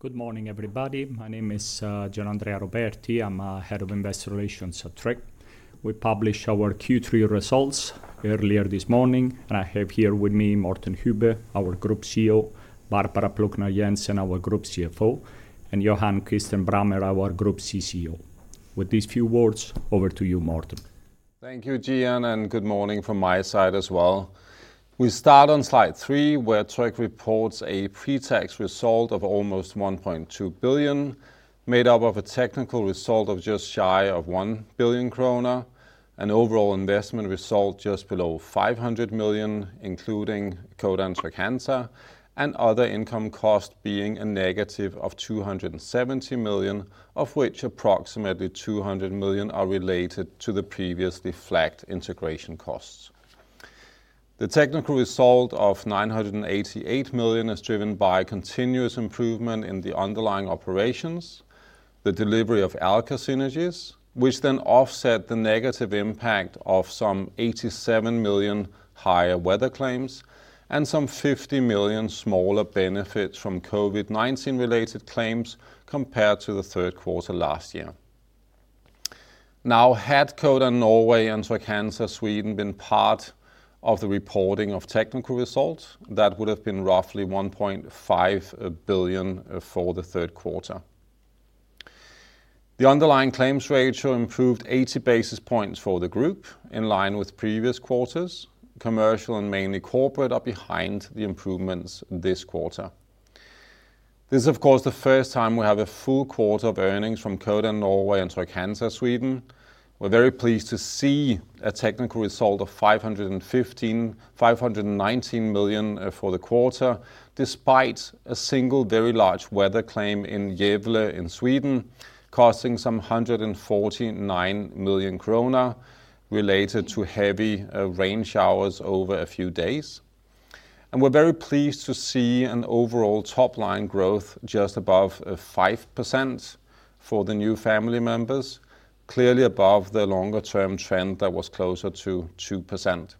Good morning, everybody. My name is Gianandrea Roberti i'm Head of Investor Relations at Tryg. We published our Q3 results earlier this morning, and I have here with me Morten Hübbe, our Group CEO, Barbara Plucnar Jensen, our Group CFO, and Johan Kirstein Brammer, our Group CCO. With these few words, over to you, Morten. Thank you, Gian, and good morning from my side as well. We start on slide three, where Tryg reports a pre-tax result of almost 1.2 billion, made up of a technical result of just shy of 1 billion kroner, an overall investment result just below 500 million, including Codan Trygg-Hansa, and other income costs being a negative of 270 million, of which approximately 200 million are related to the previously flagged integration costs. The technical result of 988 million is driven by continuous improvement in the underlying operations, the delivery of Alka synergies, which then offset the negative impact of some 87 million higher weather claims and some 50 million smaller benefits from COVID-19 related claims compared to the Q3 last year. Now, had Codan Norway and Trygg-Hansa Sweden been part of the reporting of technical results, that would have been roughly 1.5 billion for the Q3. The underlying claims ratio improved 80 basis points for the group, in line with previous quarters. Commercial and mainly corporate are behind the improvements this quarter. This is, of course, the first time we have a full quarter of earnings from Codan Norway and Trygg-Hansa Sweden. We're very pleased to see a technical result of 519 million for the quarter, despite a single very large weather claim in Gävle in Sweden, costing some 149 million kroner related to heavy rain showers over a few days. We're very pleased to see an overall top-line growth just above 5% for the new family members, clearly above their longer-term trend that was closer to 2%.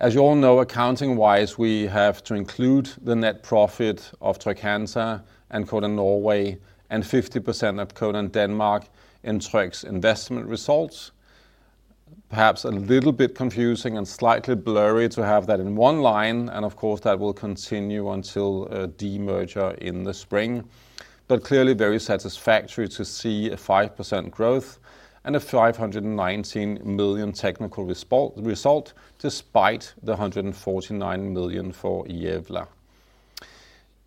As you all know, accounting wise, we have to include the net profit of Trygg-Hansa and Codan Norway, and 50% of Codan Denmark in Tryg's investment results. Perhaps a little bit confusing and slightly blurry to have that in one line, and of course, that will continue until demerger in the spring. Clearly very satisfactory to see a 5% growth and a 519 million technical result despite the 149 million for Gävle.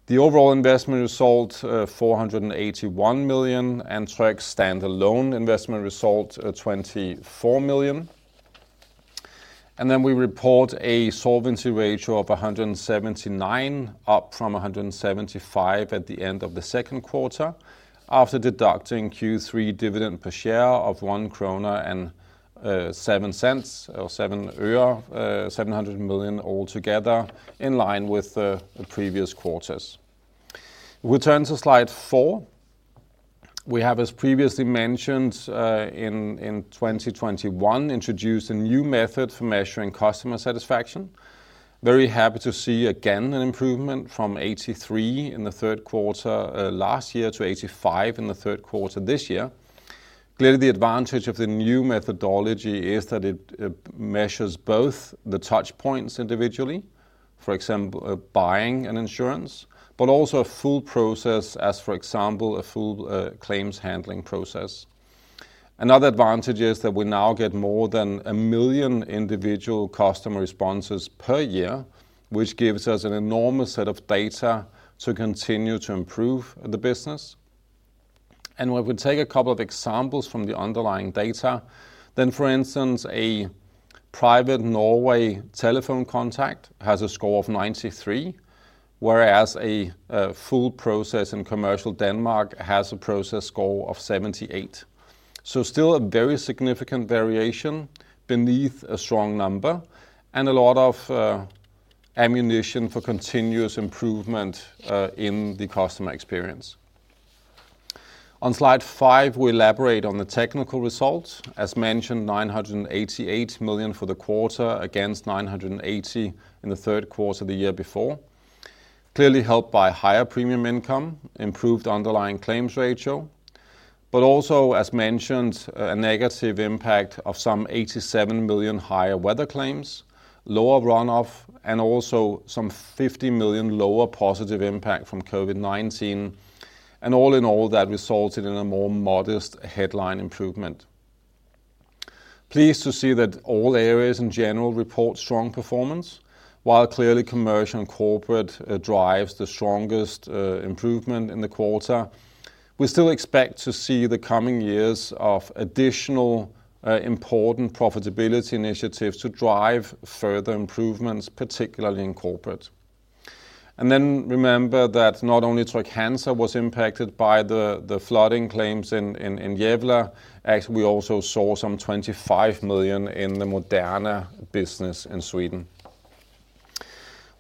The overall investment result, 481 million, and Tryg's stand-alone investment result, 24 million. Then we report a solvency ratio of 179 up from 175 at the end of the Q2, after deducting Q3 dividend per share of DKK 1.07, 700 million altogether, in line with the previous quarters. We turn to slide four. We have, as previously mentioned, in 2021, introduced a new method for measuring customer satisfaction. Very happy to see again an improvement from 83 in the Q3 last year to 85 in the Q3 this year. Clearly, the advantage of the new methodology is that it measures both the touchpoints individually, for example, buying an insurance, but also a full process as, for example, a full claims handling process. Another advantage is that we now get more than a million individual customer responses per year, which gives us an enormous set of data to continue to improve the business. If we take a couple of examples from the underlying data, then, for instance, a private Norway telephone contact has a score of 93, whereas a full process in commercial Denmark has a process score of 78. Still a very significant variation beneath a strong number and a lot of ammunition for continuous improvement in the customer experience. On slide five we elaborate on the technical results. As mentioned, 988 million for the quarter against 980 in the Q3 the year before. Clearly helped by higher premium income, improved underlying claims ratio, but also as mentioned, a negative impact of some 87 million higher weather claims, lower runoff, and also some 50 million lower positive impact from COVID-19. All in all, that resulted in a more modest headline improvement. Pleased to see that all areas in general report strong performance. While clearly commercial and corporate drives the strongest improvement in the quarter, we still expect to see the coming years of additional important profitability initiatives to drive further improvements, particularly in corporate. Then remember that not only Trygg-Hansa was impacted by the flooding claims in Gävle. Actually, we also saw some 25 million in the Moderna business in Sweden.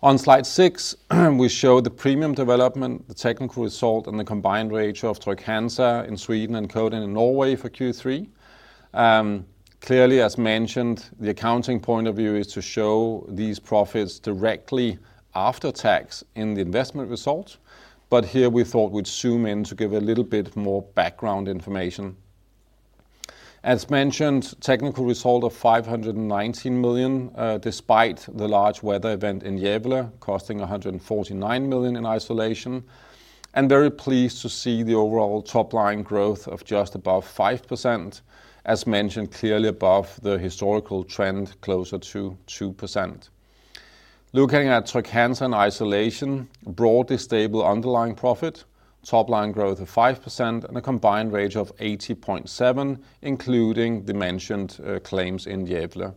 On slide six, we show the premium development, the technical result, and the combined ratio of Trygg-Hansa in Sweden and Codan in Norway for Q3. Clearly, as mentioned, the accounting point of view is to show these profits directly after tax in the investment results. But here we thought we'd zoom in to give a little bit more background information. As mentioned, technical result of 519 million, despite the large weather event in Gävle costing 149 million in isolation, and very pleased to see the overall top-line growth of just above 5%, as mentioned, clearly above the historical trend, closer to 2%. Looking at Tryg in isolation, broadly stable underlying profit, top-line growth of 5% and a combined ratio of 80.7%, including the mentioned claims in Gävle,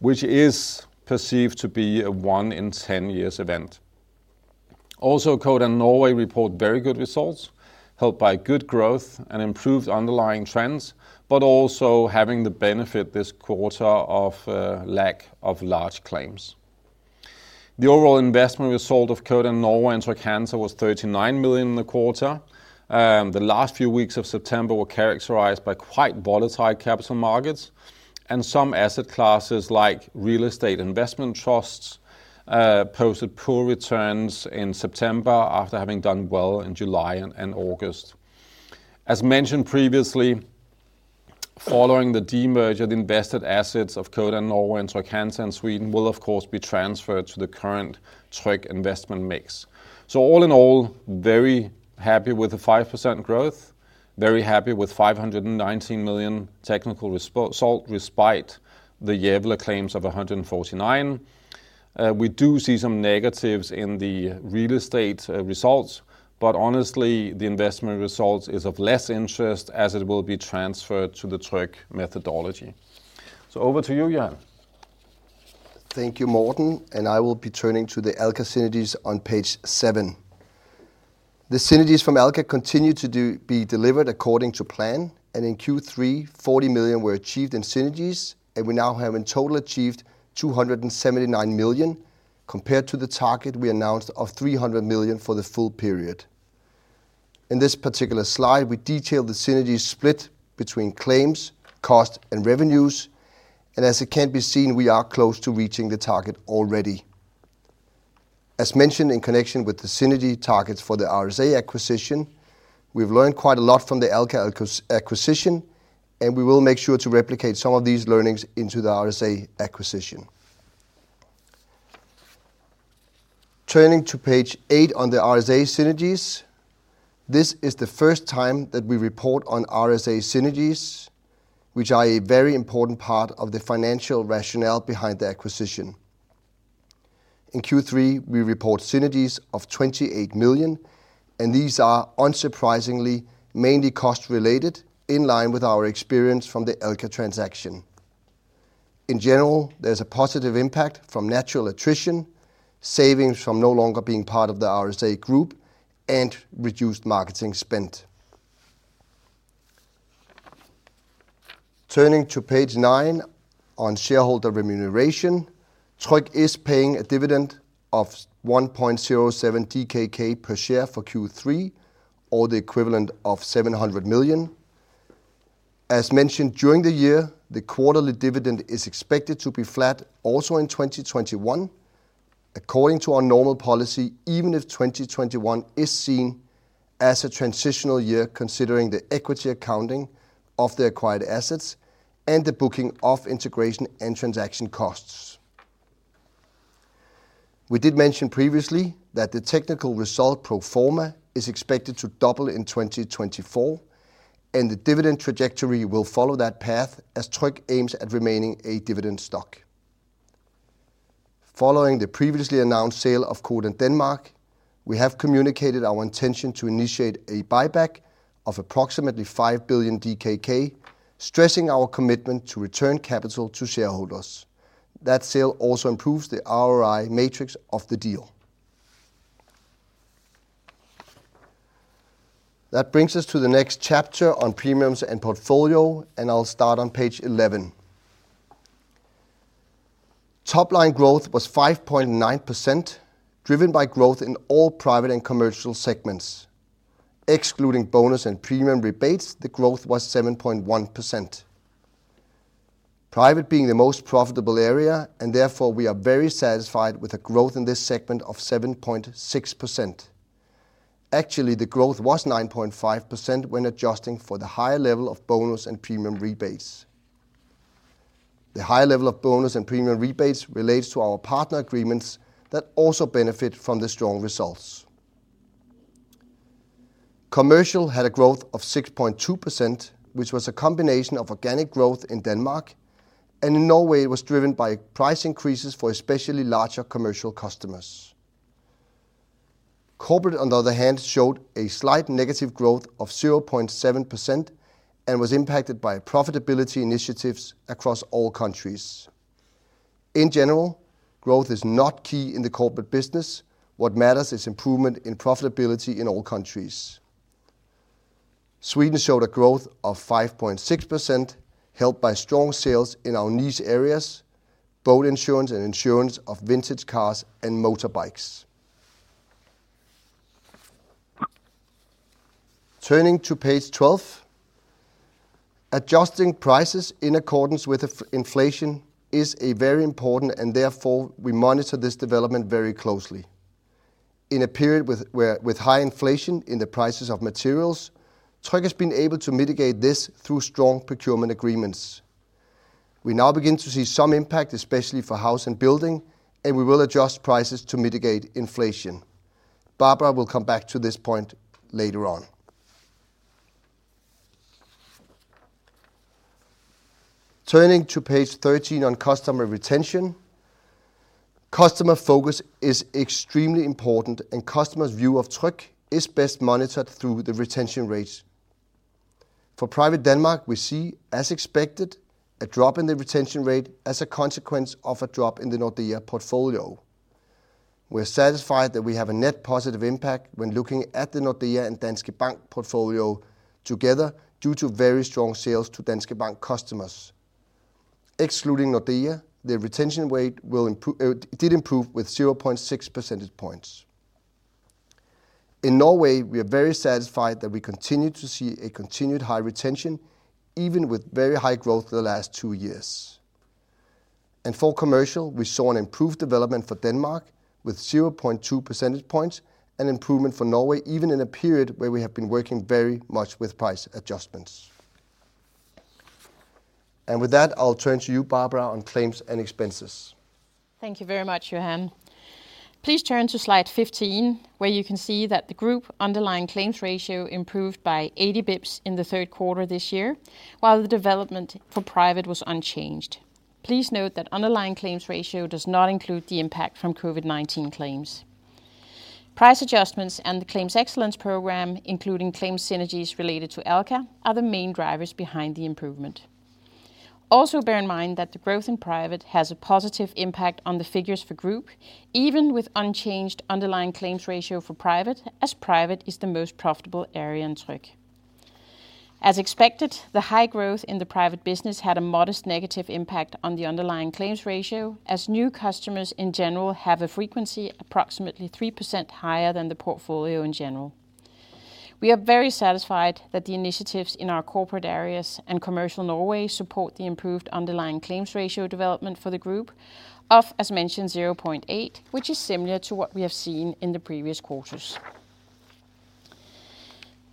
which is perceived to be a one in 10 years event. Codan Norway report very good results, helped by good growth and improved underlying trends, but also having the benefit this quarter of a lack of large claims. The overall investment result of Codan Norway and Tryg Insurance was 39 million in the quarter. The last few weeks of September were characterized by quite volatile capital markets and some asset classes like real estate investment trusts posted poor returns in September after having done well in July and August. As mentioned previously, following the de-merger of invested assets of Codan Norway and Trygg-Hansa will of course be transferred to the current Tryg investment mix. So all in all, very happy with the 5% growth, very happy with 519 million technical result despite the Gävle claims of 149 million. We do see some negatives in the real estate results, but honestly the investment results is of less interest as it will be transferred to the Tryg methodology. Over to you, Johan. Thank you, Morten. I will be turning to the Alka synergies on page seven. The synergies from Alka continue to be delivered according to plan. In Q3, 40 million were achieved in synergies, and we now have in total achieved 279 million compared to the target we announced of 300 million for the full period. In this particular slide, we detail the synergies split between claims, cost, and revenues. As it can be seen, we are close to reaching the target already. As mentioned in connection with the synergy targets for the RSA acquisition, we've learned quite a lot from the Alka acquisition. We will make sure to replicate some of these learnings into the RSA acquisition. Turning to page eight on the RSA synergies. This is the first time that we report on RSA synergies, which are a very important part of the financial rationale behind the acquisition. In Q3, we report synergies of 28 million, and these are unsurprisingly mainly cost related in line with our experience from the Alka transaction. In general, there's a positive impact from natural attrition, savings from no longer being part of the RSA group, and reduced marketing spend. Turning to page nine on shareholder remuneration. Tryg is paying a dividend of 1.07 DKK per share for Q3, or the equivalent of 700 million. As mentioned, during the year, the quarterly dividend is expected to be flat also in 2021 according to our normal policy, even if 2021 is seen as a transitional year considering the equity accounting of the acquired assets and the booking of integration and transaction costs. We did mention previously that the technical result pro forma is expected to double in 2024, the dividend trajectory will follow that path as Tryg aims at remaining a dividend stock. Following the previously announced sale of Codan Denmark, we have communicated our intention to initiate a buyback of approximately 5 billion DKK, stressing our commitment to return capital to shareholders. That sale also improves the ROI metrics of the deal. That brings us to the next chapter on premiums and portfolio, I'll start on page 11. Top-line growth was 5.9%, driven by growth in all private and commercial segments. Excluding bonus and premium rebates, the growth was 7.1%. Private being the most profitable area, and therefore we are very satisfied with the growth in this segment of 7.6%, actually, the growth was 9.5% when adjusting for the higher level of bonus and premium rebates. The higher level of bonus and premium rebates relates to our partner agreements that also benefit from the strong results. Commercial had a growth of 6.2%, which was a combination of organic growth in Denmark, and in Norway it was driven by price increases for especially larger commercial customers. Corporate on the other hand, showed a slight negative growth of 0.7% and was impacted by profitability initiatives across all countries. In general, growth is not key in the corporate business, what matters is improvement in profitability in all countries. Sweden showed a growth of 5.6%, helped by strong sales in our niche areas, boat insurance and insurance of vintage cars and motorbikes. Turning to page 12. Adjusting prices in accordance with inflation is very important, and therefore we monitor this development very closely. In a period with high inflation in the prices of materials, Tryg has been able to mitigate this through strong procurement agreements. We now begin to see some impact, especially for house and building, and we will adjust prices to mitigate inflation. Barbara will come back to this point later on. Turning to page 13 on customer retention. Customer focus is extremely important, and customers' view of Tryg is best monitored through the retention rates. For Private Denmark, we see, as expected, a drop in the retention rate as a consequence of a drop in the Nordea portfolio. We're satisfied that we have a net positive impact when looking at the Nordea and Danske Bank portfolio together due to very strong sales to Danske Bank customers. Excluding Nordea, the retention rate did improve with 0.6 percentage points. In Norway, we are very satisfied that we continue to see a continued high retention even with very high growth the last two years. For commercial, we saw an improved development for Denmark with 0.2 percentage points and improvement for Norway, even in a period where we have been working very much with price adjustments. With that, I'll turn to you, Barbara, on claims and expenses. Thank you very much, Johan. Please turn to slide 15, where you can see that the group underlying claims ratio improved by 80 basis points in the Q3 this year, while the development for Private was unchanged. Please note that underlying claims ratio does not include the impact from COVID-19 claims. Price adjustments and the claims excellence program, including claims synergies related to Alka, are the main drivers behind the improvement. Also bear in mind that the growth in Private has a positive impact on the figures for group, even with unchanged underlying claims ratio for Private, as Private is the most profitable area in Tryg. As expected, the high growth in the Private business had a modest negative impact on the underlying claims ratio, as new customers in general have a frequency approximately 3% higher than the portfolio in general. We are very satisfied that the initiatives in our corporate areas and commercial in Norway support the improved underlying claims ratio development for the group of, as mentioned, 0.8, which is similar to what we have seen in the previous quarters.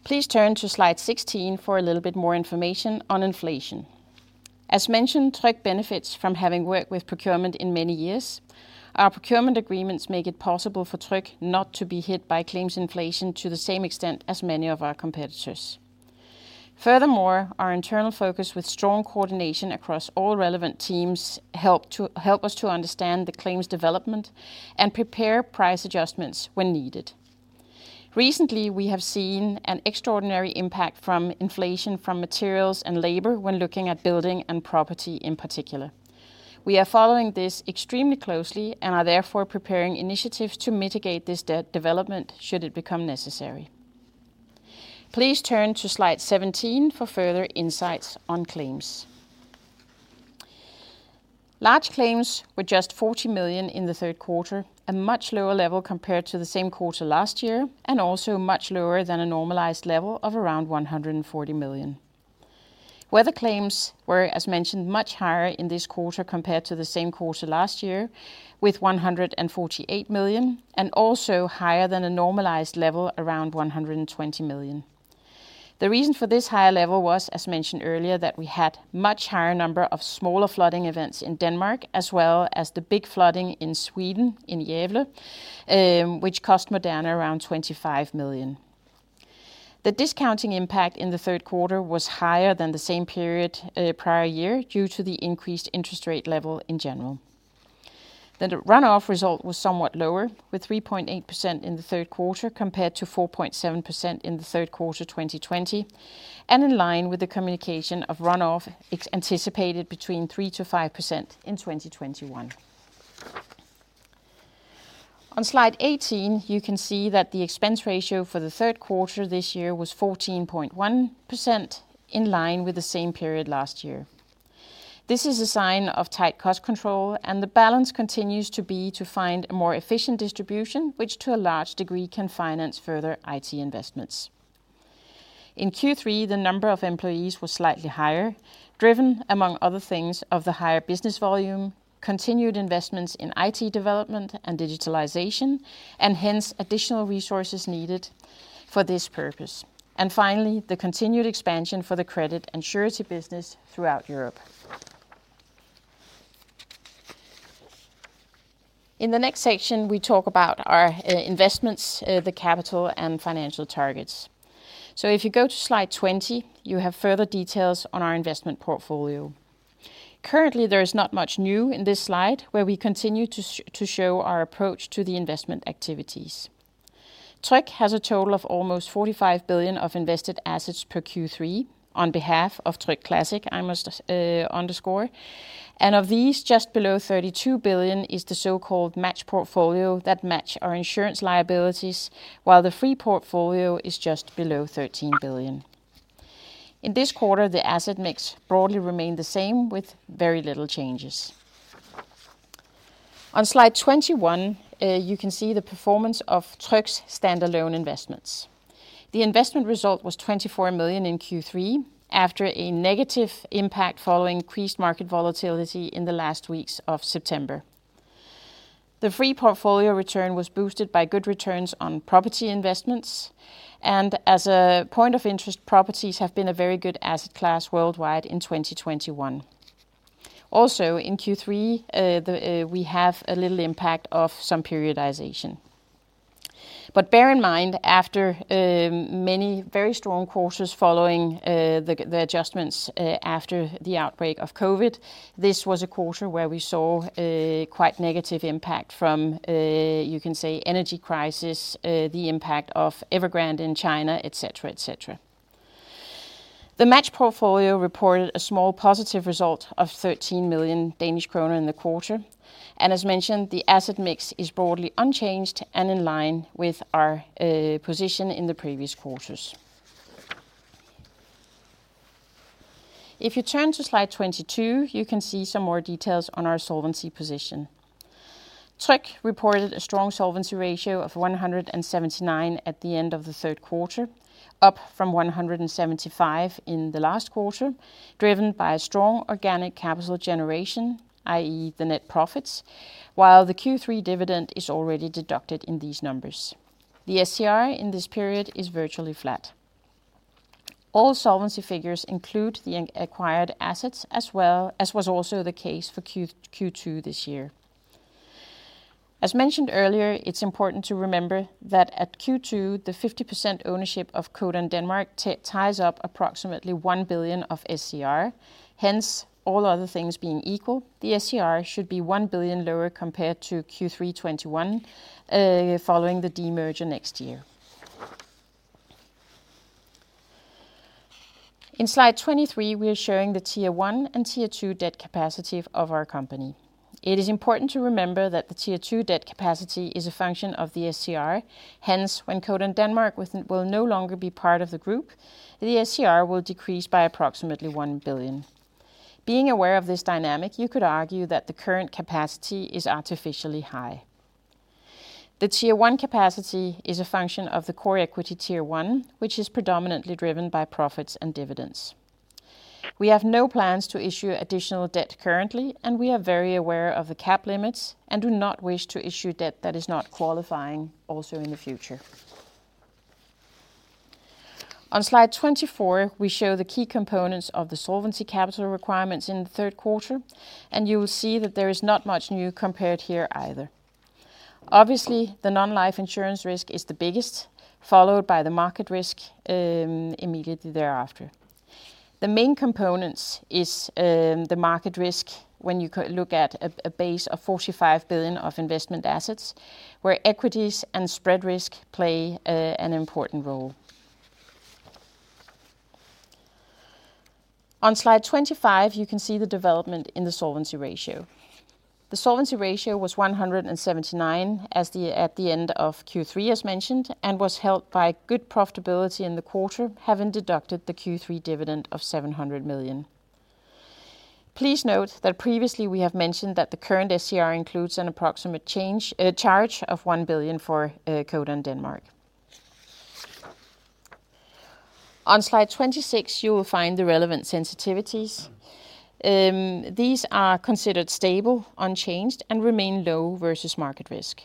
Please turn to slide 16 for a little bit more information on inflation. As mentioned, Tryg benefits from having worked with procurement in many years. Our procurement agreements make it possible for Tryg not to be hit by claims inflation to the same extent as many of our competitors. Furthermore, our internal focus with strong coordination across all relevant teams help us to understand the claims development and prepare price adjustments when needed. Recently, we have seen an extraordinary impact from inflation from materials and labor when looking at building and property in particular. We are following this extremely closely and are therefore preparing initiatives to mitigate this development should it become necessary. Please turn to slide 17 for further insights on claims. Large claims were just 40 million in the Q3, a much lower level compared to the same quarter last year, and also much lower than a normalized level of around 140 million. Weather claims were, as mentioned, much higher in this quarter compared to the same quarter last year with 148 million, and also higher than a normalized level around 120 million. The reason for this higher level was, as mentioned earlier, that we had much higher number of smaller flooding events in Denmark, as well as the big flooding in Sweden in Gävle, which cost Moderna around 25 million. The discounting impact in the Q3 was higher than the same period prior year due to the increased interest rate level in general. The runoff result was somewhat lower, with 3.8% in the Q3 compared to 4.7% in the Q3 2020, and in line with the communication of runoff, it's anticipated between 3%-5% in 2021. On slide 18, you can see that the expense ratio for the Q3 this year was 14.1%, in line with the same period last year. This is a sign of tight cost control, and the balance continues to be to find a more efficient distribution, which to a large degree can finance further IT investments. In Q3, the number of employees was slightly higher, driven among other things of the higher business volume, continued investments in IT development and digitalization, and hence additional resources needed for this purpose. And finally, the continued expansion for the credit and surety business throughout Europe. In the next section, we talk about our investments, the capital, and financial targets. If you go to slide 20, you have further details on our investment portfolio. Currently, there is not much new in this slide where we continue to show our approach to the investment activities. Tryg has a total of almost 45 billion of invested assets per Q3 on behalf of Tryg Classic, I must underscore, and of these, just below 32 billion is the so-called match portfolio that match our insurance liabilities, while the free portfolio is just below 13 billion. In this quarter, the asset mix broadly remained the same with very little changes. On slide 21, you can see the performance of Tryg's standalone investments. The investment result was 24 million in Q3 after a negative impact following increased market volatility in the last weeks of September. As a point of interest, the free portfolio return was boosted by good returns on property investments, properties have been a very good asset class worldwide in 2021. Also, in Q3, we have a little impact of some periodization. Bear in mind, after many very strong quarters following the adjustments after the outbreak of COVID, this was a quarter where we saw a quite negative impact from, you can say, energy crisis, the impact of Evergrande in China, et cetera. The matched portfolio reported a small positive result of 13 million Danish kroner in the quarter. As mentioned, the asset mix is broadly unchanged and in line with our position in the previous quarters. If you turn to slide 22, you can see some more details on our solvency position. Tryg reported a strong solvency ratio of 179 at the end of the Q3, up from 175 in the last quarter, driven by a strong organic capital generation, i.e. the net profits, while the Q3 dividend is already deducted in these numbers. The SCR in this period is virtually flat. All solvency figures include the acquired assets as was also the case for Q2 this year. As mentioned earlier, it's important to remember that at Q2, the 50% ownership of Codan Denmark ties up approximately 1 billion of SCR. Hence, all other things being equal, the SCR should be 1 billion lower compared to Q3 2021, following the demerger next year. In slide 23, we are showing the Tier 1 and Tier 2 debt capacity of our company. It is important to remember that the Tier 2 debt capacity is a function of the SCR. When Codan Denmark will no longer be part of the group, the SCR will decrease by approximately 1 billion. Being aware of this dynamic, you could argue that the current capacity is artificially high. The Tier 1 capacity is a function of the core equity Tier 1, which is predominantly driven by profits and dividends. We have no plans to issue additional debt currently, and we are very aware of the cap limits and do not wish to issue debt that is not qualifying also in the future. On slide 24, we show the key components of the solvency capital requirements in the Q3, and you will see that there is not much new compared here either. Obviously, the non-life insurance risk is the biggest, followed by the market risk immediately thereafter. The main components is the market risk when you look at a base of 45 billion of investment assets, where equities and spread risk play an important role. On slide 25, you can see the development in the solvency ratio. The solvency ratio was 179% at the end of Q3 as mentioned, and was held by good profitability in the quarter, having deducted the Q3 dividend of 700 million. Please note that previously we have mentioned that the current SCR includes an approximate charge of 1 billion for Codan Denmark. On slide 26, you will find the relevant sensitivities. These are considered stable, unchanged, and remain low versus market risk.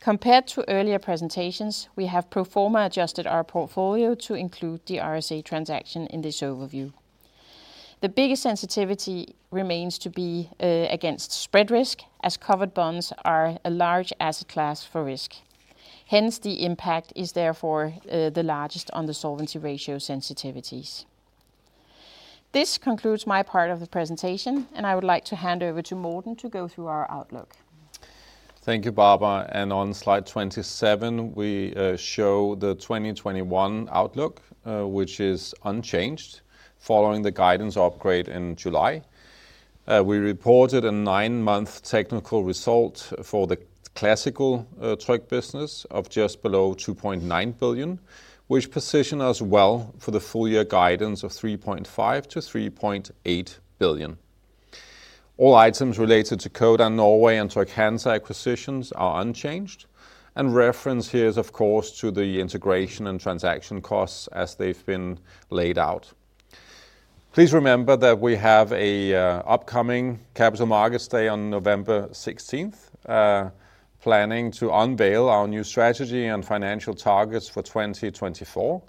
Compared to earlier presentations, we have pro forma adjusted our portfolio to include the RSA transaction in this overview. The biggest sensitivity remains to be against spread risk, as covered bonds are a large asset class for risk. Hence, the impact is therefore the largest on the solvency ratio sensitivities. This concludes my part of the presentation, and I would like to hand over to Morten to go through our outlook. Thank you, Barbara and on slide 27, we show the 2021 outlook, which is unchanged following the guidance upgrade in July. We reported a 9-month technical result for the classical Tryg business of just below 2.9 billion, which position us well for the full year guidance of 3.5 billion-3.8 billion. All items related to Codan Norway and Trygg-Hansa acquisitions are unchanged, and reference here is, of course, to the integration and transaction costs as they've been laid out. Please remember that we have an upcoming Capital Markets Day on 16 November, planning to unveil our new strategy and financial targets for 2024.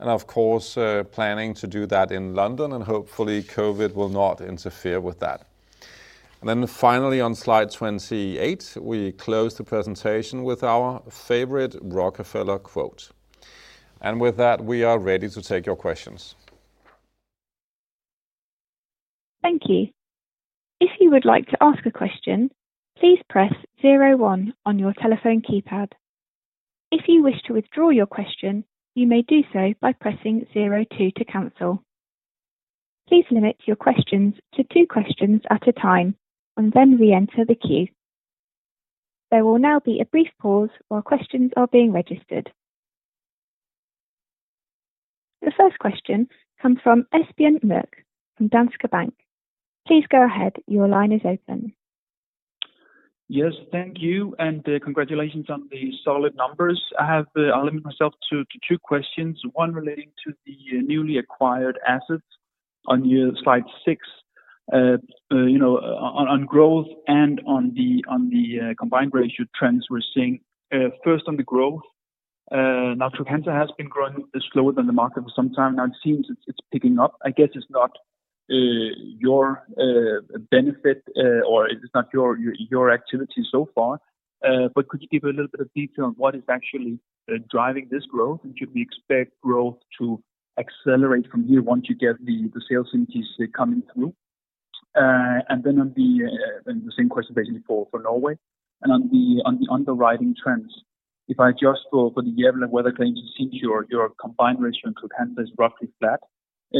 Of course, planning to do that in London, and hopefully COVID will not interfere with that. Finally on slide 28, we close the presentation with our favorite Rockefeller quote. With that, we are ready to take your questions. Thank you. If you would like to ask a question, please press zero one on your telephone keypad. If you wish to withdraw your question, you may do so by pressing zero two to cancel. Please limit your questions to two questions at a time, and then reenter the queue. There will now be a brief pause while questions are being registered. This question comes from Esben Lirk from Danske Bank. Please go ahead. Your line is open. Yes, thank you, and congratulations on the solid numbers. I have limited myself to two questions, one relating to the newly acquired assets on your slide six, on growth and on the combined ratio trends we're seeing, first, on the growth, Trygg-Hansa has been growing slower than the market for some time now it seems it's picking up, i guess it's not your benefit, or it is not your activity so far. Could you give a little bit of detail on what is actually driving this growth? Should we expect growth to accelerate from here once you get the sales entities coming through? On the same question, basically, for Norway and on the underwriting trends. If I adjust for the Gävle weather claims, it seems your combined ratio in Trygg-Hansa is roughly flat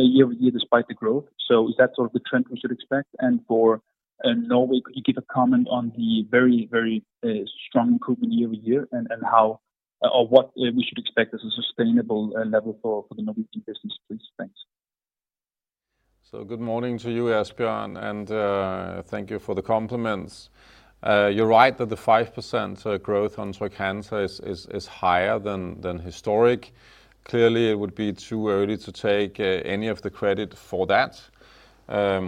year-over-year despite the growth. Is that sort of the trend we should expect for? and Norway, could you give a comment on the very strong improvement year-over-year and what we should expect as a sustainable level for the Norwegian business, please? Thanks. Good morning to you, Esben, and thank you for the compliments. You're right that the 5% growth on Trygg-Hansa is higher than historic. Clearly, it would be too early to take any of the credit for that.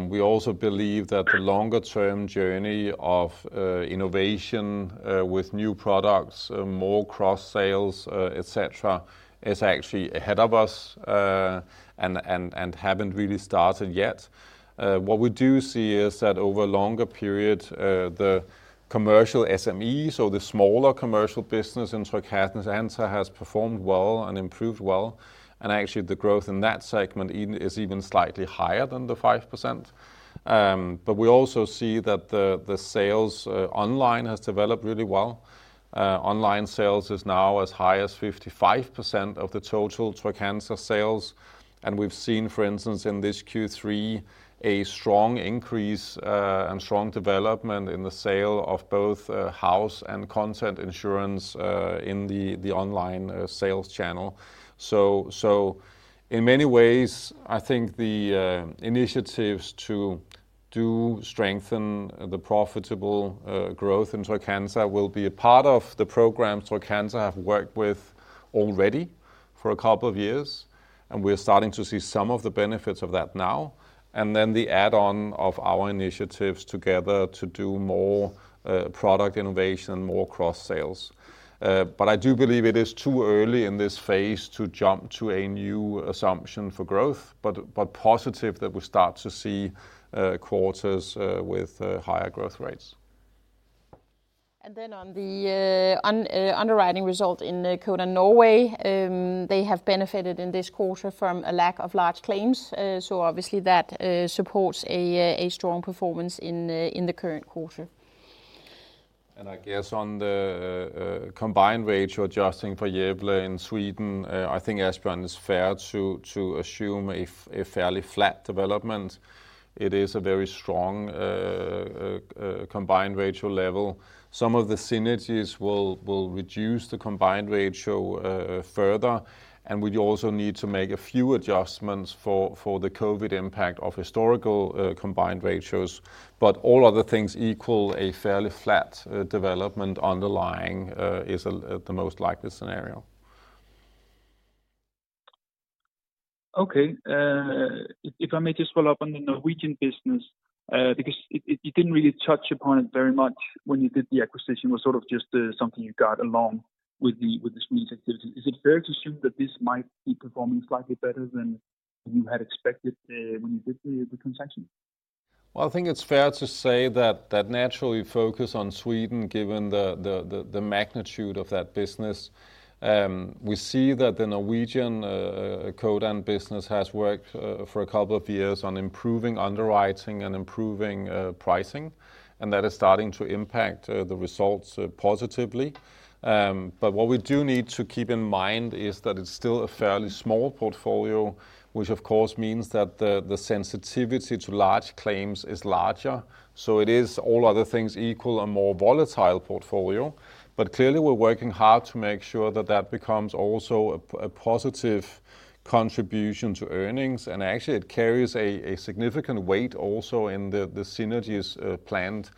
We also believe that the longer-term journey of innovation with new products, more cross-sales, et cetera, is actually ahead of us and haven't really started yet. What we do see is that over a longer period, the commercial SMEs or the Smaller Commercial Business in Trygg-Hansa has performed well and improved well. Actually, the growth in that segment is even slightly higher than the 5%. We also see that the sales online has developed really well. Online sales is now as high as 55% of the total Trygg-Hansa sales. We've seen, for instance, in this Q3, a strong increase and strong development in the sale of both house and contents insurance in the online sales channel. In many ways, I think the initiatives to strengthen the profitable growth in Trygg-Hansa will be a part of the program Trygg-Hansa have worked with already for a couple of years, and we are starting to see some of the benefits of that now. Then the add-on of our initiatives together to do more product innovation, more cross-sales. But, i do believe it is too early in this phase to jump to a new assumption for growth, but positive that we start to see quarters with higher growth rates. On the underwriting result in Codan Norway, they have benefited in this quarter from a lack of large claims. Obviously that supports a strong performance in the current quarter. I guess on the combined ratio adjusting for Gävle in Sweden, I think, Esben, it's fair to assume a fairly flat development. It is a very strong combined ratio level. Some of the synergies will reduce the combined ratio further, and we also need to make a few adjustments for the COVID impact of historical combined ratios. But all other things equal, a fairly flat development underlying is the most likely scenario. Okay. If I may just follow up on the Norwegian business, because you didn't really touch upon it very much when you did the acquisition it was sort of just something you got along with this new activity is it fair to assume that this might be performing slightly better than you had expected when you did the transaction? Well, I think it's fair to say that naturally focus on Sweden, given the magnitude of that business. We see that the Norwegian Codan business has worked for a couple of years on improving underwriting and improving pricing. That is starting to impact the results positively. What we do need to keep in mind is that it's still a fairly small portfolio, which of course means that the sensitivity to large claims is larger. It is all other things equal, a more volatile portfolio. But clearly, we're working hard to make sure that that becomes also a positive contribution to earnings, and actually, it carries a significant weight also in the synergies planned.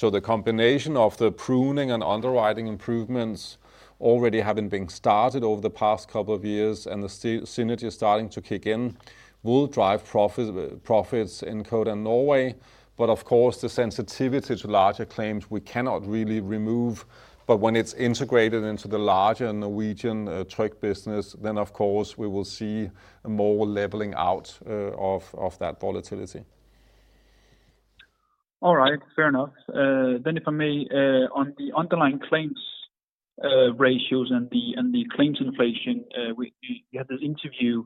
The combination of the pruning and underwriting improvements already having been started over the past couple of years and the synergies starting to kick in will drive profits in Codan Norway. But of course, the sensitivity to larger claims we cannot really remove. When it's integrated into the larger Norwegian Tryg business, then of course we will see more leveling out of that volatility. All right. Fair enough. If I may, on the underlying claims ratios and the claims inflation, we had this interview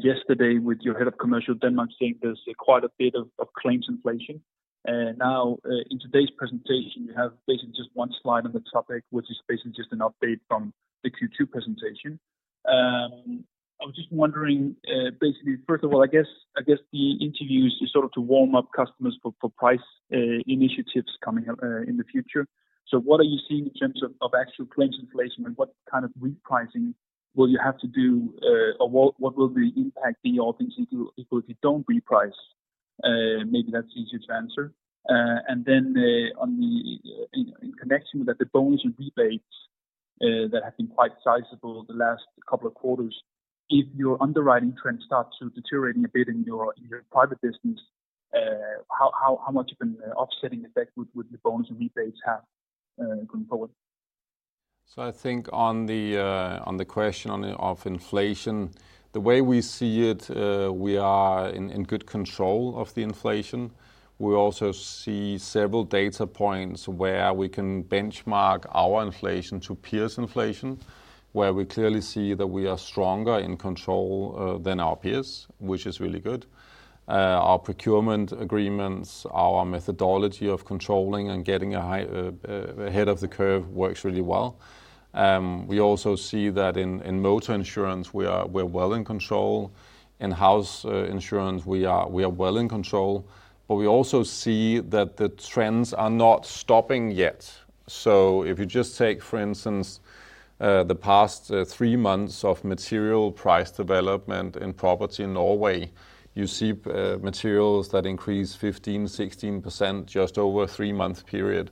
yesterday with your head of commercial Denmark saying there's quite a bit of claims inflation. In today's presentation, you have basically just one slide on the topic, which is basically just an update from the Q2 presentation. I was just wondering, basically, first of all, I guess the interview is sort of to warm up customers for price initiatives coming in the future. What are you seeing in terms of actual claims inflation? and what kind of repricing will you have to do? or what will be impacting your things if you don't reprice? Maybe that's easier to answer. In connection with that, the bonus rebates that have been quite sizable the last couple of quarters, if your underwriting trend starts to deteriorating a bit in your private business, how much of an offsetting effect would the bonus and rebates have going forward? I think on the question of inflation, the way we see it, we are in good control of the inflation. We also see several data points where we can benchmark our inflation to peers' inflation, where we clearly see that we are stronger in control than our peers, which is really good. Our procurement agreements, our methodology of controlling and getting ahead of the curve works really well. We also see that in motor insurance we're well in control. In house insurance, we are well in control, but we also see that the trends are not stopping yet, so, if you just take for instance, the past three months of material price development in property in Norway, you see materials that increase 15%-16% just over a three month period.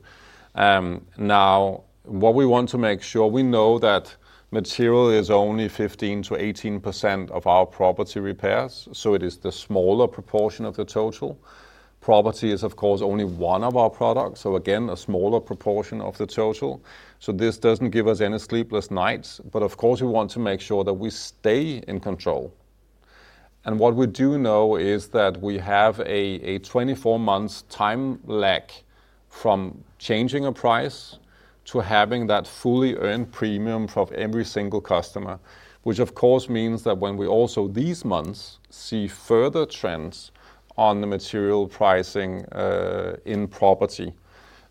What we want to make sure we know that material is only 15%-18% of our property repairs, so it is the smaller proportion of the total. Property is, of course, only one of our products, so again, a smaller proportion of the total. This doesn't give us any sleepless nights, but of course, we want to make sure that we stay in control. What we do know is that we have a 24 months time lag from changing a price to having that fully earned premium from every single customer. Which of course means that when we also these months see further trends on the material pricing in property,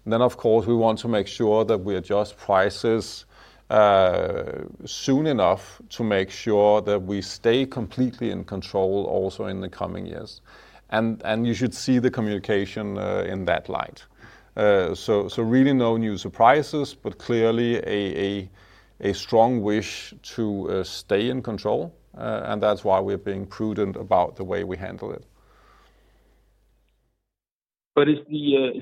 of course we want to make sure that we adjust prices soon enough to make sure that we stay completely in control also in the coming years. You should see the communication in that light. Really no new surprises, but clearly a strong wish to stay in control. That's why we're being prudent about the way we handle it. Is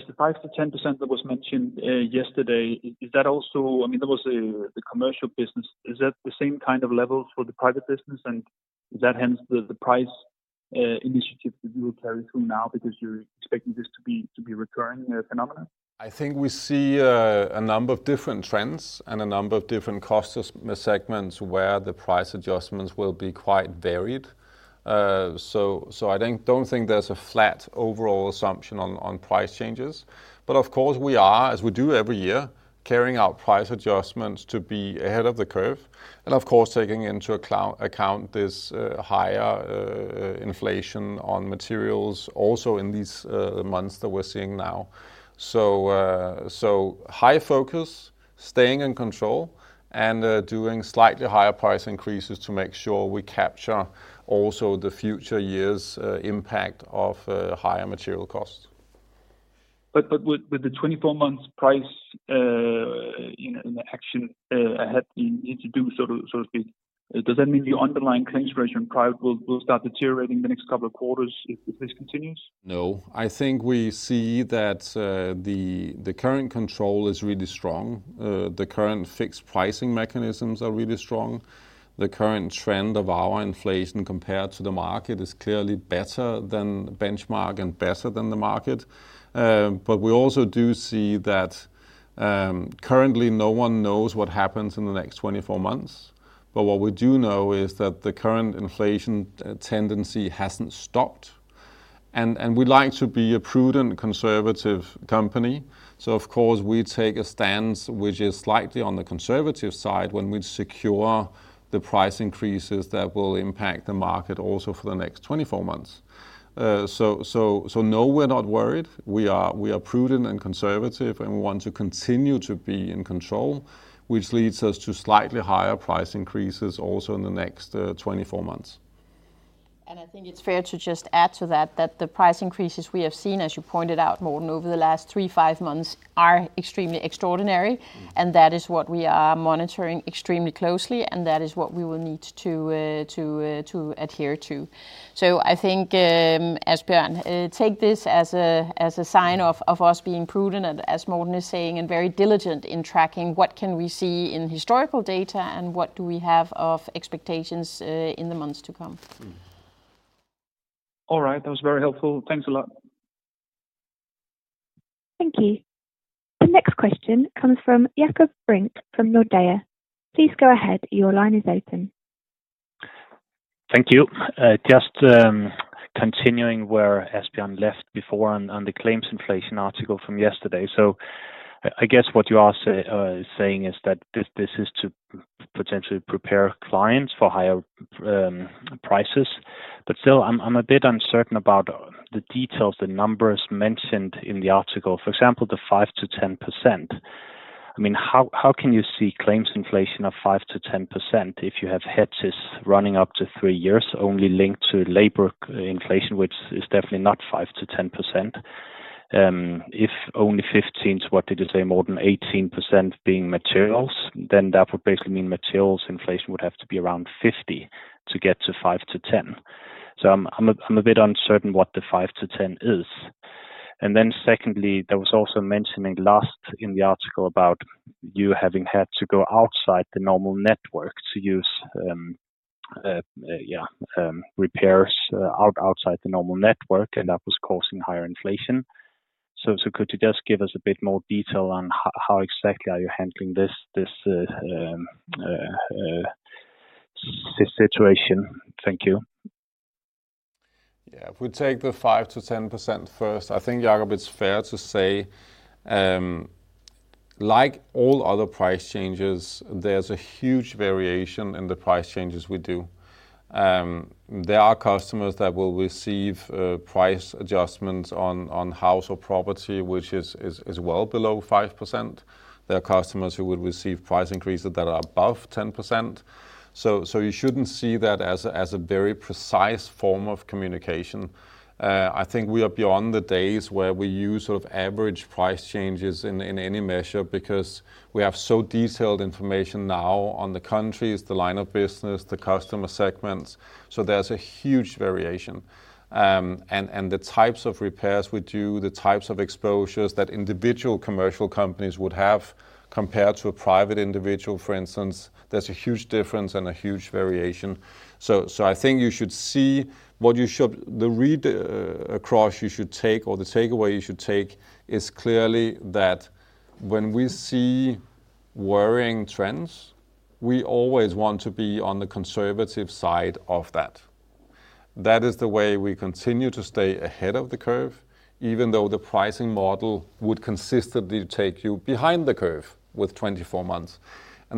the 5%-110% that was mentioned yesterday? I mean, that was the commercial business, is that the same kind of levels for the private business? Is that hence the price initiative that you will carry through now because you're expecting this to be recurring phenomena? I think we see a number of different trends and a number of different cost segments where the price adjustments will be quite varied. I don't think there's a flat overall assumption on price changes. Of course we are, as we do every year, carrying out price adjustments to be ahead of the curve. Of course, taking into account this higher inflation on materials also in these months that we're seeing now. High focus, staying in control, and doing slightly higher price increases to make sure we capture also the future years impact of higher material costs. With the 24 months price in action ahead you need to do, so to speak, does that mean the underlying claims ratio in private will start deteriorating the next couple of quarters if this continues? No, I think we see that the current control is really strong. The current fixed pricing mechanisms are really strong. The current trend of our inflation compared to the market is clearly better than benchmark and better than the market. We also do see that currently no one knows what happens in the next 24 months. What we do know is that the current inflation tendency hasn't stopped, and we'd like to be a prudent conservative company. Of course, we take a stance which is slightly on the conservative side when we secure the price increases that will impact the market also for the next 24 months. No, we're not worried, we are prudent and conservative, and we want to continue to be in control, which leads us to slightly higher price increases also in the next 24 months. I think it's fair to just add to that the price increases we have seen, as you pointed out, Morten, over the last three, five months, are extremely extraordinary, and that is what we are monitoring extremely closely, and that is what we will need to adhere to. I think, Esben, take this as a sign of us being prudent and as Morten is saying, and very diligent in tracking what can we see in historical data and what do we have of expectations in the months to come. All right that was very helpful. Thanks a lot. Thank you. The next question comes from Jakob Brink from Nordea. Please go ahead your line is open. Thank you. Just continuing where Esben left before on the claims inflation article from yesterday so, i guess what you are saying is that this is to potentially prepare clients for higher prices, but still, I'm a bit uncertain about the details, the numbers mentioned in the article, for example, the 5%-10%. How can you see claims inflation of 5%-10% if you have hedges running up to three years only linked to labor inflation, which is definitely not 5%-10%? If only 15%, what did you say, more than 18% being materials, then that would basically mean materials inflation would have to be around 50% to get to 5%-10%. I'm a bit uncertain what the 5%-10% is. Secondly, there was also mentioning last in the article about you having had to go outside the normal network to use repairs outside the normal network, and that was causing higher inflation. Could you just give us a bit more detail on how exactly are you handling this situation? Thank you. If we take the 5%-10% first, I think, Jakob, it's fair to say, like all other price changes, there's a huge variation in the price changes we do. There are customers that will receive price adjustments on house or property, which is well below 5%. There are customers who will receive price increases that are above 10%. You shouldn't see that as a very precise form of communication. I think we are beyond the days where we use sort of average price changes in any measure because we have so detailed information now on the countries, the line of business, the customer segments. There's a huge variation. The types of repairs we do, the types of exposures that individual commercial companies would have compared to a private individual, for instance, there's a huge difference and a huge variation. I think the read across you should take or the takeaway you should take is clearly that when we see worrying trends, we always want to be on the conservative side of that. That is the way we continue to stay ahead of the curve, even though the pricing model would consistently take you behind the curve with 24 months.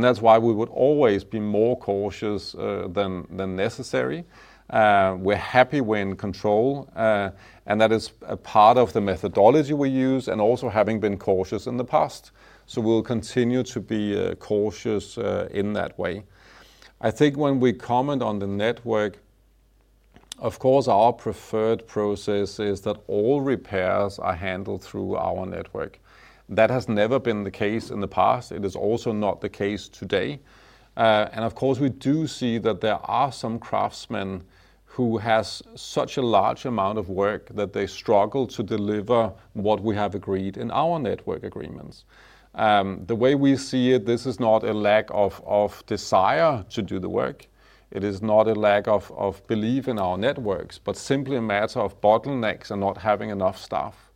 That's why we would always be more cautious than necessary. We're happy we're in control. That is a part of the methodology we use and also having been cautious in the past. We'll continue to be cautious in that way. I think when we comment on the network, of course, our preferred process is that all repairs are handled through our network. That has never been the case in the past, it is also not the case today. Of course we do see that there are some craftsmen who has such a large amount of work that they struggle to deliver what we have agreed in our network agreements. The way we see it, this is not a lack of desire to do the work. It is not a lack of belief in our networks, but simply a matter of bottlenecks and not having enough staff.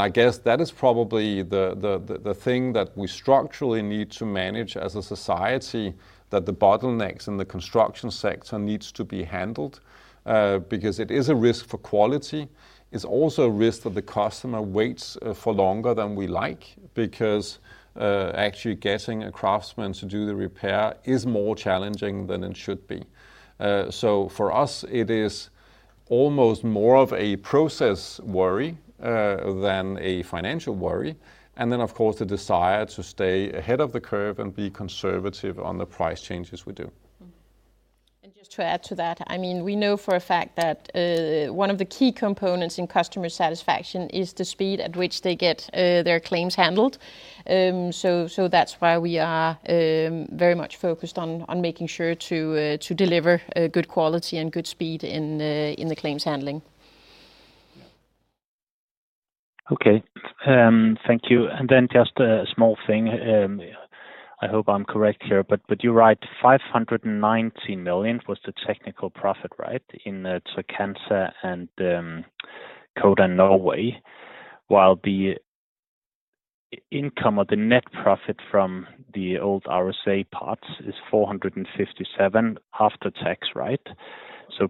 I guess that is probably the thing that we structurally need to manage as a society, that the bottlenecks in the construction sector needs to be handled, because it is a risk for quality. It's also a risk that the customer waits for longer than we like because actually getting a craftsman to do the repair is more challenging than it should be. For us, it is almost more of a process worry than a financial worry. Then, of course, the desire to stay ahead of the curve and be conservative on the price changes we do. Just to add to that, we know for a fact that one of the key components in customer satisfaction is the speed at which they get their claims handled. That's why we are very much focused on making sure to deliver good quality and good speed in the claims handling. Okay. Thank you then just a small thing. I hope I'm correct here, you write 519 million was the technical profit, right, in Tryg Forsikring and Codan Norway, while the income or the net profit from the old RSA parts is 457 million after tax, right?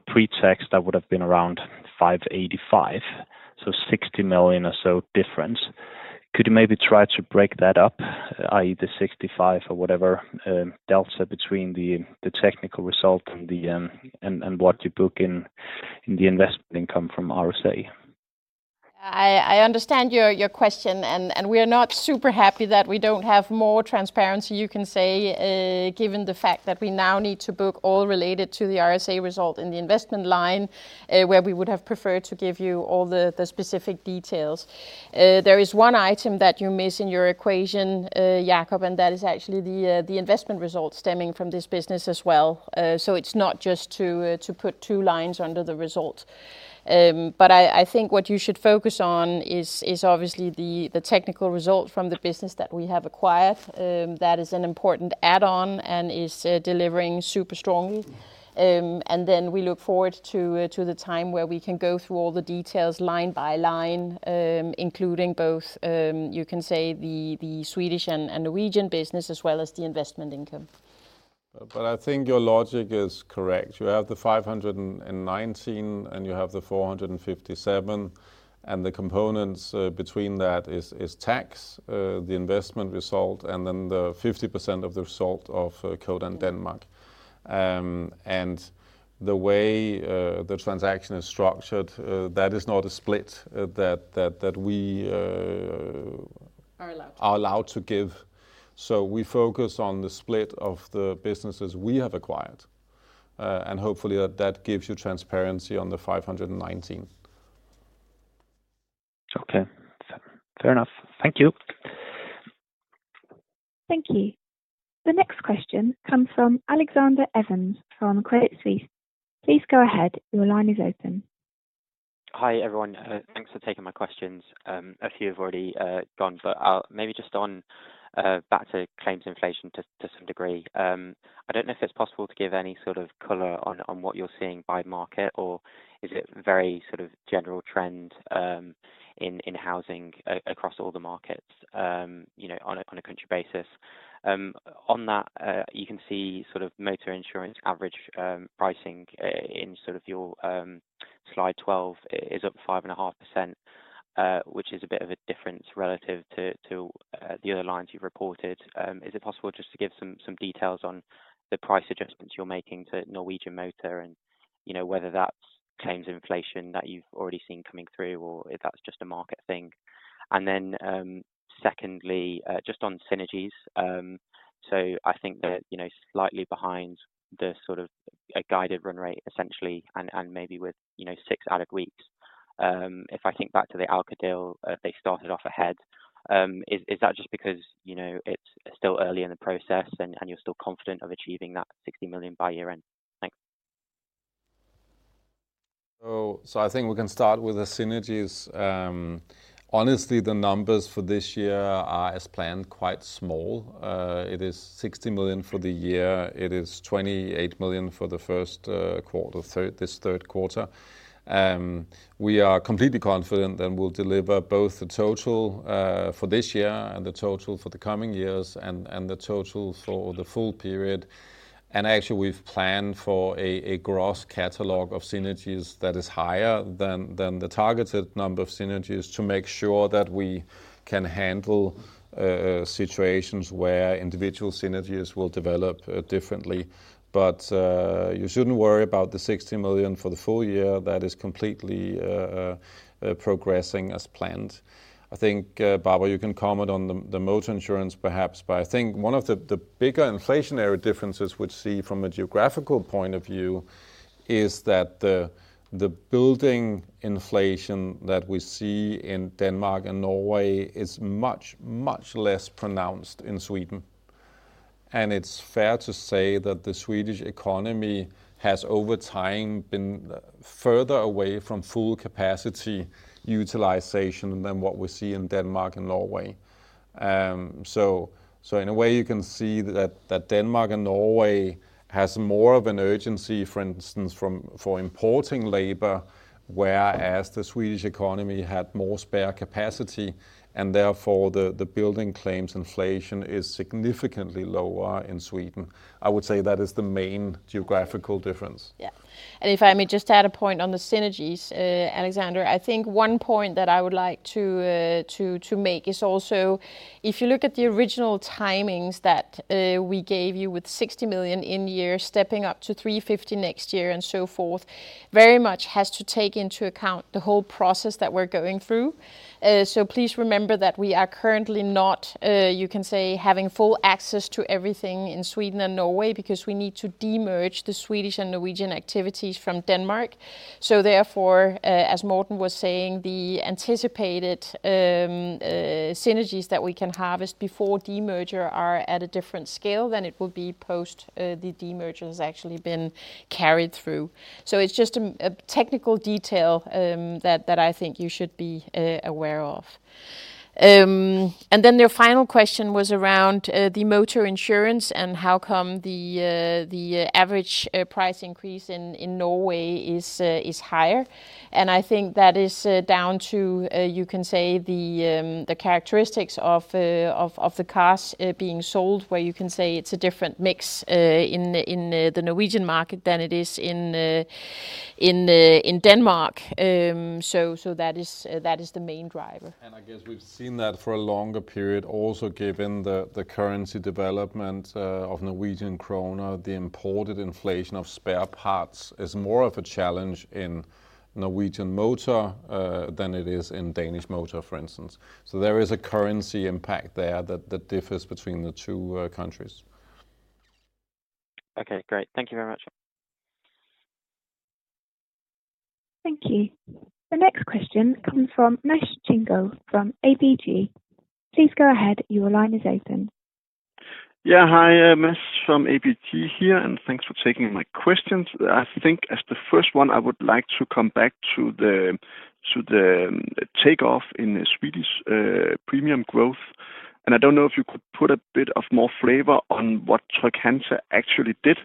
Pre-tax, that would've been around 585 million, 60 million or so difference. Could you maybe try to break that up? i.e. the 65 million or whatever delta between the technical result and what you book in the investment income from RSA? I understand your question, and we are not super happy that we don't have more transparency, you can say, given the fact that we now need to book all related to the RSA result in the investment line, where we would have preferred to give you all the specific details. There is one item that you miss in your equation, Jakob, and that is actually the investment results stemming from this business as well. It's not just to put two lines under the result. I think what you should focus on is obviously the technical result from the business that we have acquired. That is an important add-on and is delivering super strongly. We look forward to the time where we can go through all the details line by line, including both, you can say, the Swedish and Norwegian business as well as the investment income. I think your logic is correct, you have the 519 million, and you have the 457 million, and the components between that is tax, the investment result, and then the 50% of the result of Codan Denmark, and the way the transaction is structured, that is not a split. Are allowed to. Are allowed to give. We focus on the split of the businesses we have acquired. Hopefully that gives you transparency on the 519 million. Okay, fair enough. Thank you. Thank you. The next question comes from Alexander Evans from Credit Suisse. Please go ahead. Your line is open. Hi everyone thanks for taking my questions. A few have already gone, maybe just on back to claims inflation to some degree. I don't know if it's possible to give any sort of color on what you're seeing by market? or is it very general trend in housing across all the markets on a country basis? On that, you can see motor insurance average pricing in your slide 12 is up 5.5%, which is a bit of a difference relative to the other lines you've reported is it possible just to give some details on the price adjustments you're making to Norwegian motor and whether that's claims inflation that you've already seen coming through or if that's just a market thing? Then secondly, just on synergies. I think that slightly behind the sort of a guided run rate essentially and maybe with six added weeks. If I think back to the Alka deal, they started off ahead. Is that just because it's still early in the process and you're still confident of achieving that 60 million by year-end? Thanks. I think we can start with the synergies. Honestly, the numbers for this year are as planned, quite small, it is 60 million for the year, it is 28 million for the Q1 this Q3. And, we are completely confident and will deliver both the total for this year and the total for the coming years and the total for the full period. Actually, we've planned for a gross catalog of synergies that is higher than the targeted number of synergies to make sure that we can handle situations where individual synergies will develop differently. But, you shouldn't worry about the 60 million for the full year that is completely progressing as planned. I think, Barbara, you can comment on the motor insurance perhaps, but I think one of the bigger inflationary differences we see from a geographical point of view is that the building inflation that we see in Denmark and Norway is much, much less pronounced in Sweden. It's fair to say that the Swedish economy has over time been further away from full capacity utilization than what we see in Denmark and Norway. In a way, you can see that Denmark and Norway has more of an urgency, for instance, for importing labor, whereas the Swedish economy had more spare capacity, and therefore the building claims inflation is significantly lower in Sweden. I would say that is the main geographical difference. If I may just add a point on the synergies, Alexander, I think one point that I would like to make is also if you look at the original timings that we gave you with 60 million in year stepping up to 350 million next year and so forth, very much has to take into account the whole process that we're going through. Please remember that we are currently not you can say having full access to everything in Sweden and Norway because we need to de-merge the Swedish and Norwegian activities from Denmark. Therefore, as Morten was saying, the anticipated synergies that we can harvest before de-merger are at a different scale than it will be post the de-merger has actually been carried through. It's just a technical detail that I think you should be aware of. Your final question was around the motor insurance and how come the average price increase in Norway is higher. I think that is down to you can say the characteristics of the cars being sold, where you can say it's a different mix in the Norwegian market than it is in Denmark so, that is the main driver. I guess we've seen that for a longer period also given the currency development of Norwegian kroner, the imported inflation of spare parts is more of a challenge in Norwegian motor than it is in Danish motor, for instance. There is a currency impact there that differs between the two countries. Okay, great thank you very much. Thank you. The next question comes from Mads Thinggaard from ABG. Please go ahead. Your line is open. Yeah hi, Mads from ABG SC here and thanks for taking my questions. I think as the first one, I would like to come back to the take off in Swedish premium growth, and I don't know if you could put a bit of more flavor on what Trygg-Hansa actually did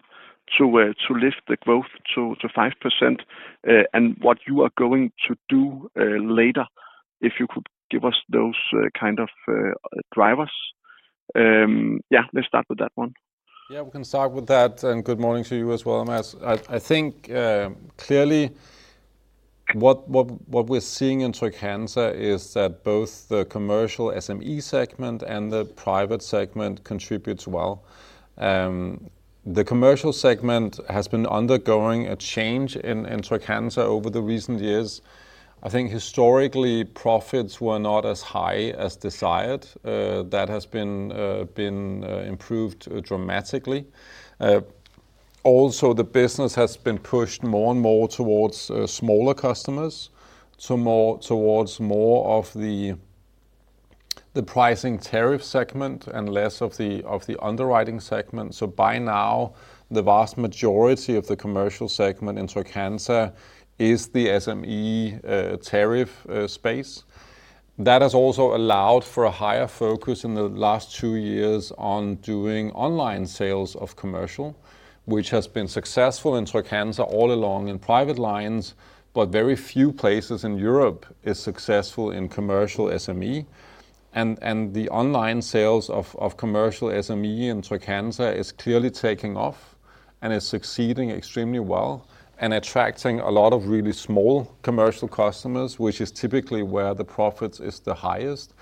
to lift the growth to 5% and what you are going to do later, if you could give us those kind of drivers? Yeah, let's start with that one. Yeah we can start with that good morning to you as well, Mads i think, clearly what we're seeing in Trygg-Hansa is that both the commercial SME segment and the private segment contributes well. The commercial segment has been undergoing a change in Trygg-Hansa over the recent years. I think historically profits were not as high as desired, that has been improved dramatically. Also the business has been pushed more and more towards smaller customers, towards more of the pricing tariff segment and less of the underwriting segment so by now, the vast majority of the commercial segment in Tryg Insurance is the SME tariff space. That has also allowed for a higher focus in the last two years on doing online sales of commercial, which has been successful in Tryg insurance all along in private lines, but very few places in Europe is successful in commercial SME. The online sales of commercial SME in Tryg insurance is clearly taking off and is succeeding extremely well and attracting a lot of really small commercial customers, which is typically where the profits is the highest.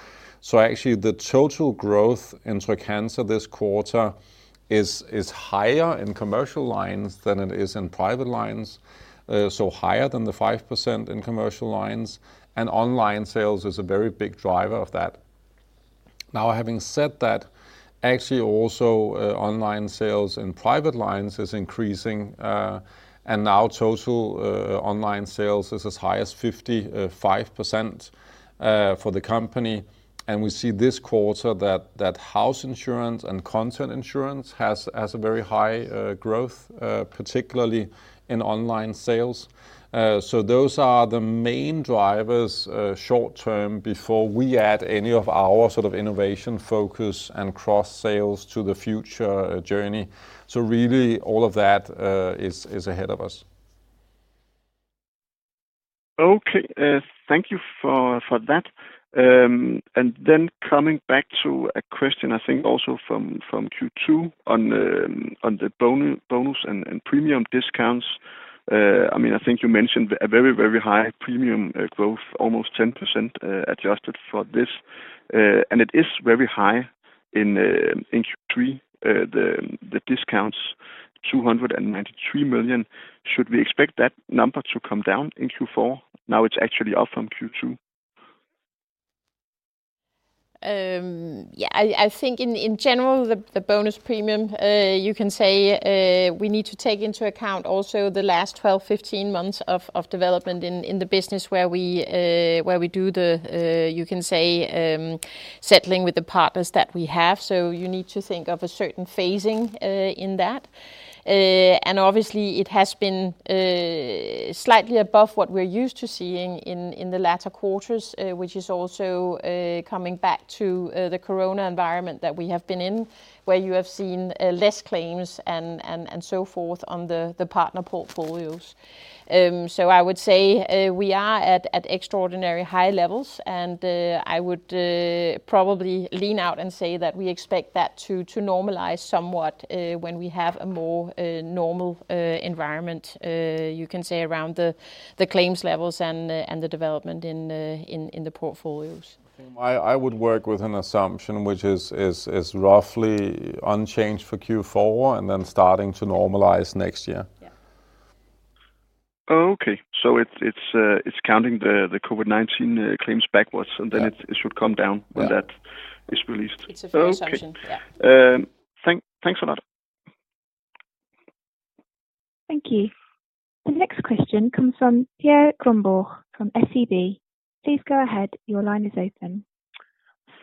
Actually the total growth in Tryg insurance this quarter is higher in commercial lines than it is in private lines, so higher than the 5% in commercial lines, and online sales is a very big driver of that. Having said that, actually also online sales in private lines is increasing, and total online sales is as high as 55% for the company. We see this quarter that house insurance and contents insurance has a very high growth, particularly in online sales. Those are the main drivers short term before we add any of our sort of innovation focus and cross sales to the future journey. So really all of that is ahead of us. Okay. Thank you for that. Coming back to a question, I think also from Q2 on the bonus and premium discounts. I think you mentioned a very, very high premium growth, almost 10% adjusted for this. It is very high in Q3, the discounts 293 million. Should we expect that number to come down in Q4? Now it's actually up from Q2. Yeah. I think in general, the bonus premium, you can say we need to take into account also the last 12, 15 months of development in the business where we do the, you can say, settling with the partners that we have so you need to think of a certain phasing in that. Obviously it has been slightly above what we're used to seeing in the latter quarters, which is also coming back to the Corona environment that we have been in, where you have seen less claims and so forth on the partner portfolios. I would say we are at extraordinary high levels, and I would probably lean out and say that we expect that to normalize somewhat when we have a more normal environment, you can say around the claims levels and the development in the portfolios. I would work with an assumption which is roughly unchanged for Q4 and then starting to normalize next year. Yeah. Okay. It's counting the COVID-19 claims backwards, and then it should come down when that is released. It's a fair assumption. Yeah. Okay. Thanks for that. Thank you. The next question comes from Pierre Fumagalli from SEB. Please go ahead your line is open.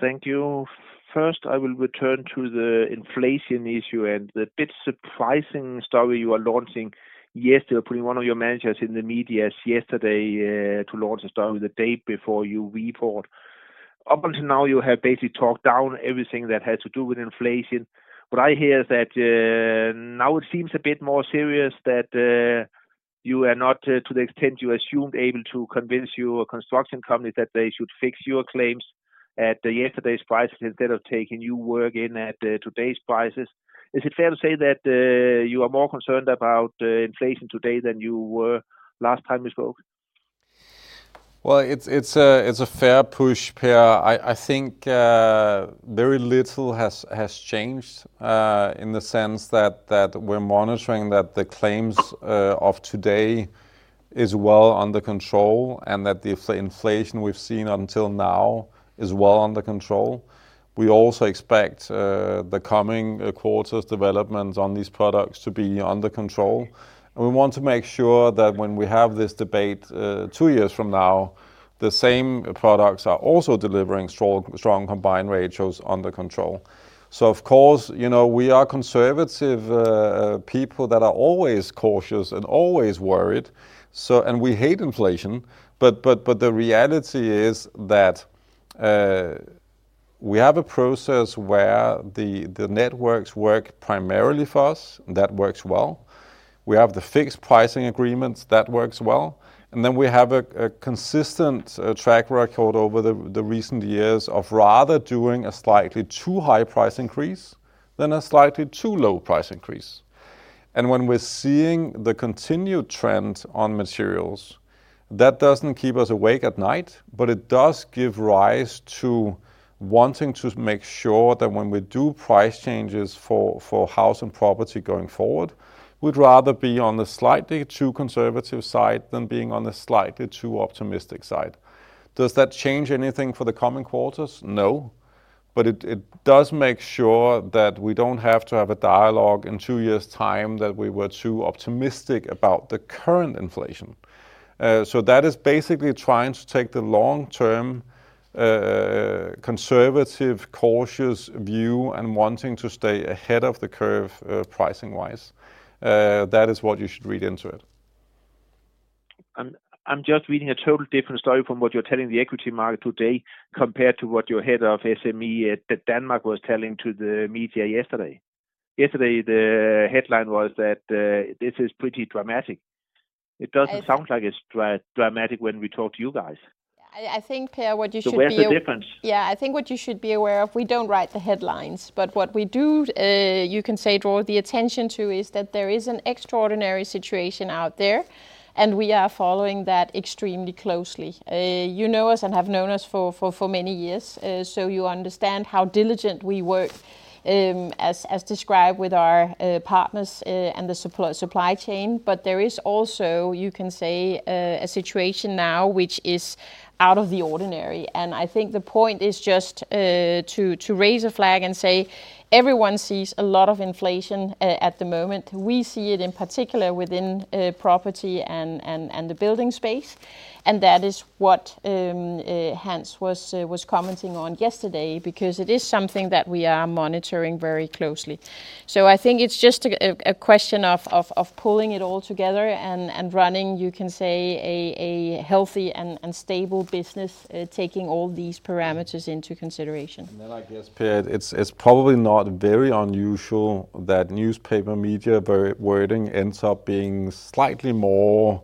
Thank you. First, I will return to the inflation issue and the bit surprising story you are launching yesterday, putting one of your managers in the media yesterday to launch the story the day before you report. Up until now, you have basically talked down everything that had to do with inflation. What I hear is that now it seems a bit more serious that you are not to the extent you assumed able to convince your construction companies that they should fix your claims at yesterday's prices instead of taking new work in at today's prices. Is it fair to say that you are more concerned about inflation today than you were last time we spoke? Well, it's a fair push Pierre i think, very little has changed in the sense that we're monitoring that the claims of today is well under control and that the inflation we've seen until now is well under control. We also expect the coming quarters' developments on these products to be under control. We want to make sure that when we have this debate two years from now, the same products are also delivering strong combined ratios under control. Of course, we are conservative people that are always cautious and always worried, and we hate inflation, but the reality is that we have a process where the networks work primarily for us, and that works well. We have the fixed pricing agreements that works well. We have a consistent track record over the recent years of rather doing a slightly too high price increase than a slightly too low price increase. When we're seeing the continued trend on materials, that doesn't keep us awake at night, but it does give rise to wanting to make sure that when we do price changes for house and property going forward, we'd rather be on the slightly too conservative side than being on the slightly too optimistic side. Does that change anything for the coming quarters? No. It does make sure that we don't have to have a dialogue in two years' time that we were too optimistic about the current inflation. That is basically trying to take the long-term, conservative, cautious view and wanting to stay ahead of the curve pricing wise. That is what you should read into it. I'm just reading a total different story from what you're telling the equity market today compared to what your head of SME at Denmark was telling to the media yesterday. Yesterday, the headline was that this is pretty dramatic. It doesn't sound like it's dramatic when we talk to you guys. I think, Pierre, what you should be- Where's the difference? I think what you should be aware of, we don't write the headlines, but what we do, you can say, draw the attention to is that there is an extraordinary situation out there. And we are following that extremely closely. You know us and have known us for many years, you understand how diligent we work as described with our partners, and the supply chain. But there is also, you can say, a situation now which is out of the ordinary, and I think the point is just to raise a flag and say everyone sees a lot of inflation at the moment. We see it in particular within property and the building space- -and that is what Hans was commenting on yesterday because it is something that we are monitoring very closely. I think it's just a question of pulling it all together and running, you can say, a healthy and stable business, taking all these parameters into consideration. I guess, Pierre, it's probably not very unusual that newspaper media wording ends up being slightly more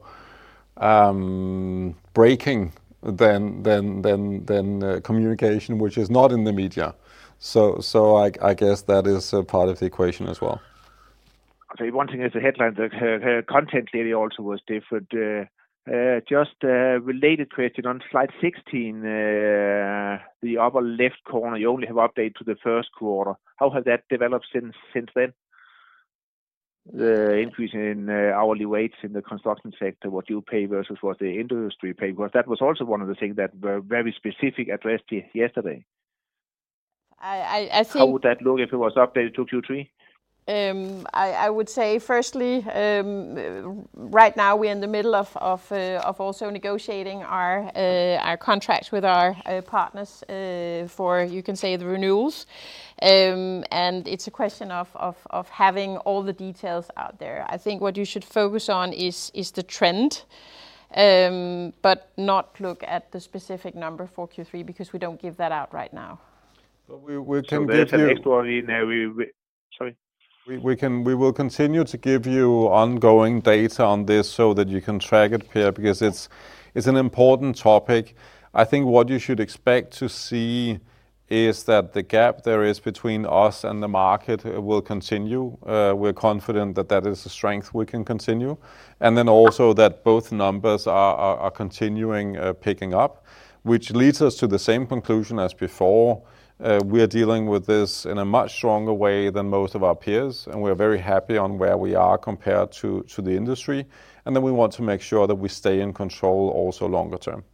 breaking than communication which is not in the media. I guess that is a part of the equation as well. Okay one thing is the headline, the content clearly also was different. Just a related question, on slide 16, the upper left corner, you only have update to the Q1. How has that developed since then? The increase in hourly rates in the construction sector, what you pay versus what the industry pay? because that was also one of the things that were very specific addressed yesterday. I think- How would that look if it was updated to Q3? I would say firstly, right now we're in the middle of also negotiating our contracts with our partners for, you can say, the renewals. It's a question of having all the details out there i think what you should focus on is the trend, but not look at the specific number for Q3 because we don't give that out right now. But we can give you- That's extraordinary now. Sorry. We will continue to give you ongoing data on this so that you can track it, Pierre, because it's an important topic. I think what you should expect to see is that the gap there is between us and the market will continue, we're confident that that is a strength we can continue. Also that both numbers are continuing picking up, which leads us to the same conclusion as before. We are dealing with this in a much stronger way than most of our peers, and we are very happy on where we are compared to the industry. We want to make sure that we stay in control also longer term.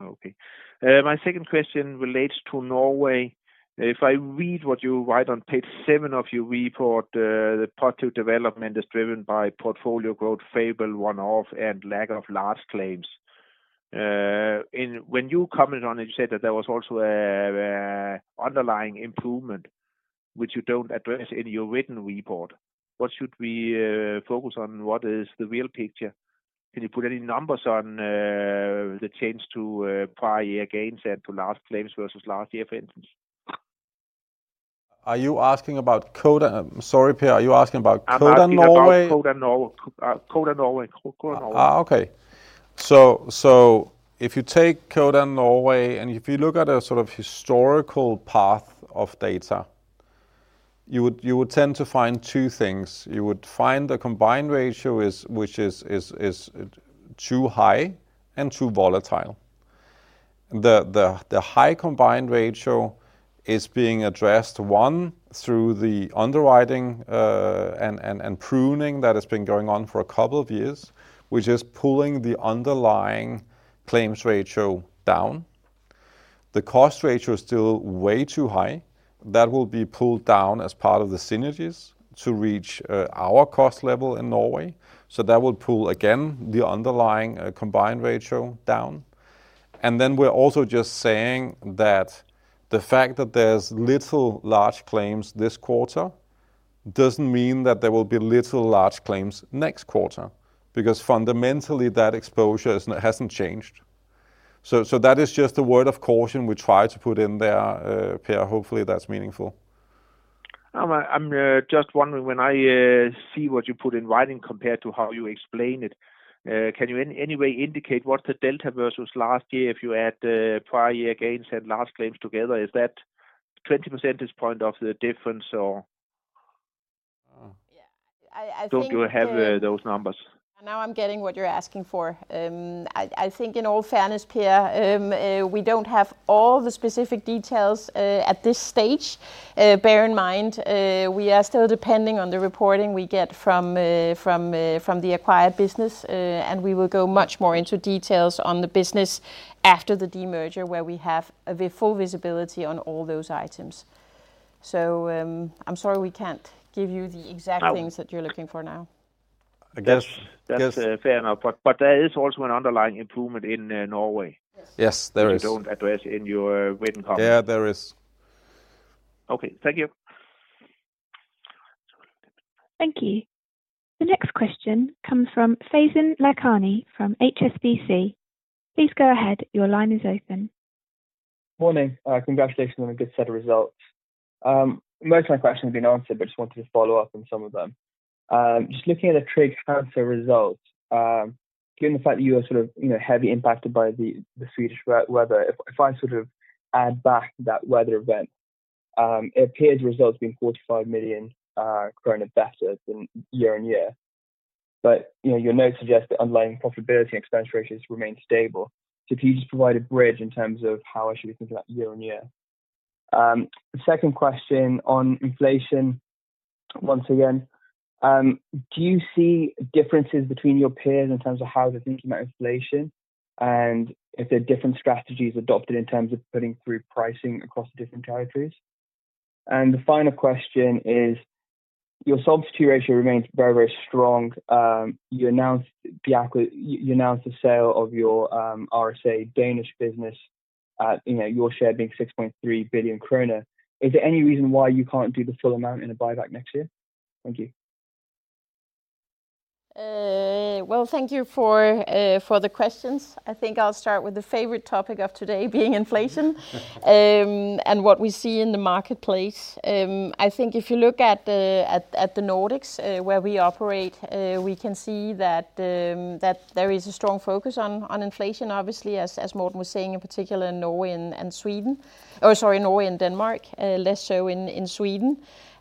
Okay. My second question relates to Norway. If I read what you write on page seven of your report, the part two development is driven by portfolio growth, favorable one-off, and lack of large claims. When you commented on it, you said that there was also an underlying improvement. Which you don't address in your written report. What should we focus on? What is the real picture? Can you put any numbers on the change to prior year gains and to large claims versus last year, for instance? Are you asking about Codan? Sorry, Pierre, are you asking about Codan Norway? I'm asking about Codan Norway. If you take Codan Norway, and if you look at a sort of historical path of data, you would tend to find two things, you would find the combined ratio which is too high and too volatile. The high combined ratio is being addressed, one through the underwriting and pruning that has been going on for a couple of years, which is pulling the underlying claims ratio down. The cost ratio is still way too high. That will be pulled down as part of the synergies to reach our cost level in Norway. That will pull, again, the underlying combined ratio down. And then we're also just saying that the fact that there's little large claims this quarter, doesn't mean that there will be little large claims next quarter, because fundamentally that exposure hasn't changed. That is just a word of caution we try to put in there, Pierre hopefully, that's meaningful. I'm just wondering when I see what you put in writing compared to how you explain it. Can you in any way indicate what the delta versus last year if you add prior year gains and large claims together, is that 20 percentage point of the difference or? Yeah. Don't you have those numbers? Now I'm getting what you're asking for. I think in all fairness, Pierre, we don't have all the specific details at this stage. Bear in mind, we are still depending on the reporting we get from the acquired business, and we will go much more into details on the business after the demerger, where we have a full visibility on all those items. I'm sorry we can't give you the exact things that you're looking for now. I guess- That's fair enough, there is also an underlying improvement in Norway. Yes. Yes, there is. That you don't address in your written comments. Yeah, there is. Okay. Thank you. Thank you. The next question comes from Faizan Lakhani from HSBC. Please go ahead. Your line is open. Morning. Congratulations on a good set of results. Most of my questions have been answered, just wanted to follow up on some of them. Looking at the Tryg Forsikring results. Given the fact that you are heavily impacted by the Swedish weather, if I add back that weather event, it appears results being 45 million better than year-over-year. Your notes suggest that underlying profitability and expense ratios remain stable. If you could just provide a bridge in terms of how I should be thinking about year-over-year. The second question on inflation, once again, do you see differences between your peers in terms of how they're thinking about inflation? If there are different strategies adopted in terms of putting through pricing across the different territories. The final question is, your solvency ratio remains very, very strong. You announced the sale of your RSA Danish business at your share being 6.3 billion krone. Is there any reason why you can't do the full amount in a buyback next year? Thank you. Well thank you for the questions. I think I'll start with the favorite topic of today being inflation, what we see in the marketplace. I think if you look at the Nordics where we operate, we can see that there is a strong focus on inflation, obviously, as Morten was saying, in particular in Norway and Sweden. Or sorry, Norway and Denmark less so in Sweden.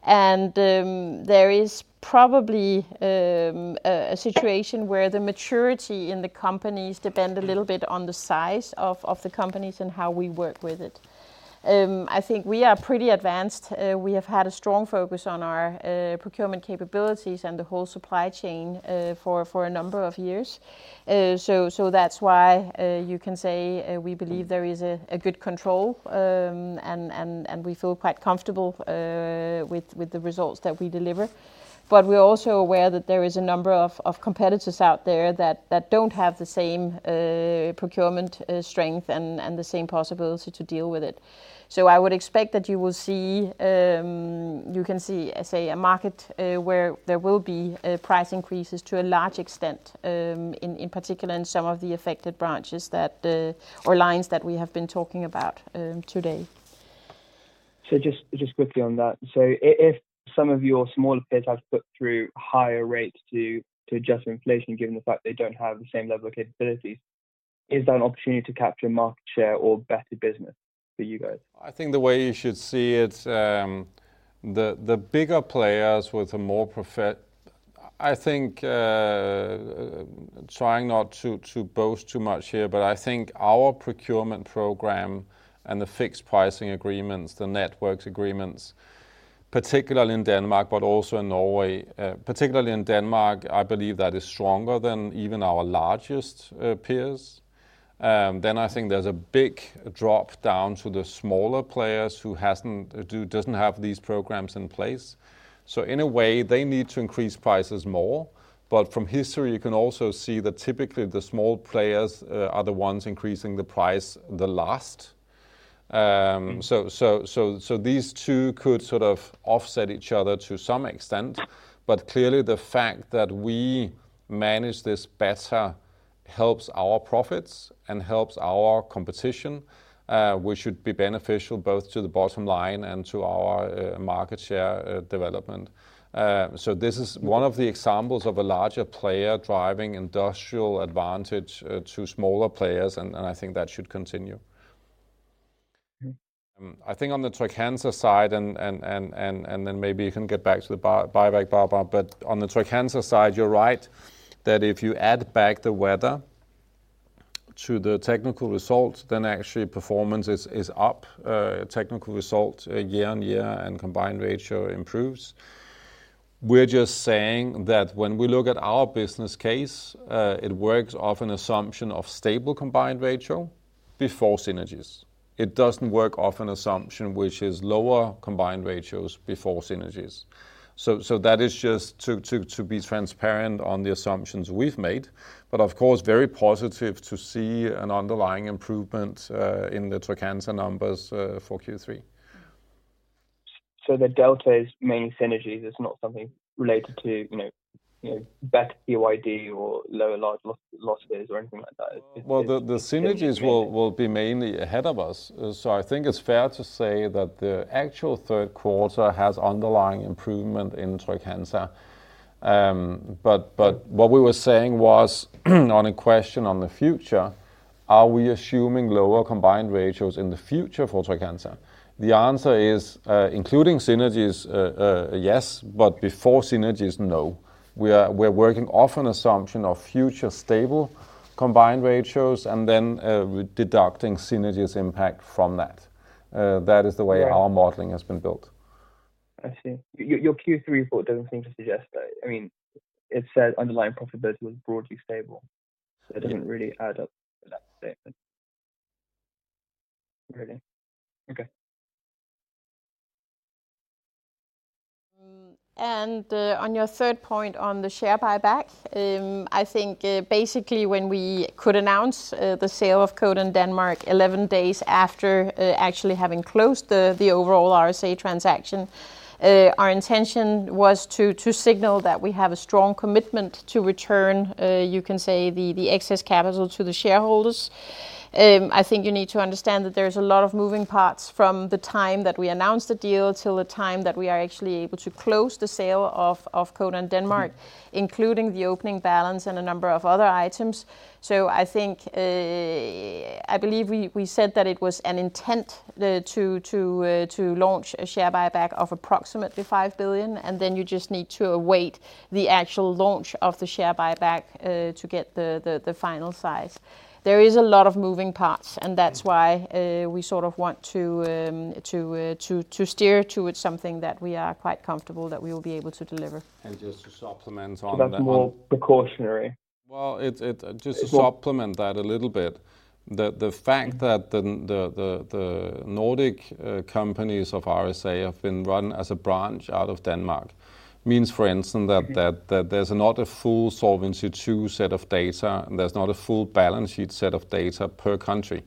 There is probably a situation where the maturity in the companies depend a little bit on the size of the companies and how we work with it. I think we are pretty advanced. We have had a strong focus on our procurement capabilities and the whole supply chain for a number of years. That's why you can say we believe there is a good control, and we feel quite comfortable with the results that we deliver. We're also aware that there is a number of competitors out there that don't have the same procurement strength and the same possibility to deal with it. I would expect that you can see a market where there will be price increases to a large extent, in particular in some of the affected branches that, or lines that we have been talking about today. Just quickly on that, if some of your smaller peers have put through higher rates to adjust for inflation, given the fact they don't have the same level of capabilities. Is that an opportunity to capture market share or better business for you guys? I think the way you should see it, the bigger players with a more profit. I think, trying not to boast too much here, but I think our procurement program and the fixed pricing agreements, the networks agreements, particularly in Denmark but also in Norway. Particularly in Denmark, I believe that is stronger than even our largest peers. I think there's a big drop down to the smaller players who doesn't have these programs in place. In a way, they need to increase prices more. From history, you can also see that typically the small players are the ones increasing the price the last. These two could sort of offset each other to some extent. But clearly the fact that we manage this better helps our profits and helps our competition, which should be beneficial both to the bottom line and to our market share development. This is one of the examples of a larger player driving industrial advantage to smaller players, and I think that should continue. Okay. I think on the Tryg Forsikring side, maybe you can get back to the buyback part on the Tryg Forsikring side, you're right. That if you add back the weather, to the technical result, actually performance is up technical result year-on-year and combined ratio improves. We're just saying that when we look at our business case, it works off an assumption of stable combined ratio before synergies. It doesn't work off an assumption which is lower combined ratios before synergies. That is just to be transparent on the assumptions we've made, of course very positive to see an underlying improvement in the Tryg Forsikring numbers for Q3. The delta is mainly synergies it's not something related to back to PYD or lower loss ratios or anything like that. Well the synergies will be mainly ahead of us. I think it's fair to say that the actual Q3 has underlying improvement in Tryg Forsikring. What we were saying was on a question on the future, are we assuming lower combined ratios in the future for Tryg Forsikring? The answer is, including synergies, yes, but before synergies no. We're working off an assumption of future stable combined ratios and then deducting synergies impact from that. That is the way our modeling has been built. I see. Your Q3 report doesn't seem to suggest that. It said underlying profitability was broadly stable. It doesn't really add up. On your third point on the share buyback, I think basically when we could announce the sale of Codan Denmark 11 days after actually having closed the overall RSA transaction. Our intention was to signal that we have a strong commitment to return, you can say, the excess capital to the shareholders. I think you need to understand that there's a lot of moving parts from the time that we announced the deal till the time that we are actually able to close the sale of Codan Denmark, including the opening balance and a number of other items. I think, i believe we said that it was an intent to launch a share buyback of approximately 5 billion, and then you just need to await the actual launch of the share buyback to get the final size. There is a lot of moving parts, and that's why we sort of want to steer towards something that we are quite comfortable that we will be able to deliver. Just to supplement on that one. That's more precautionary. Well, just to supplement that a little bit, the fact that the Nordic companies of RSA have been run as a branch out of Denmark means, for instance, that there's not a full Solvency II set of data, there's not a full balance sheet set of data per country.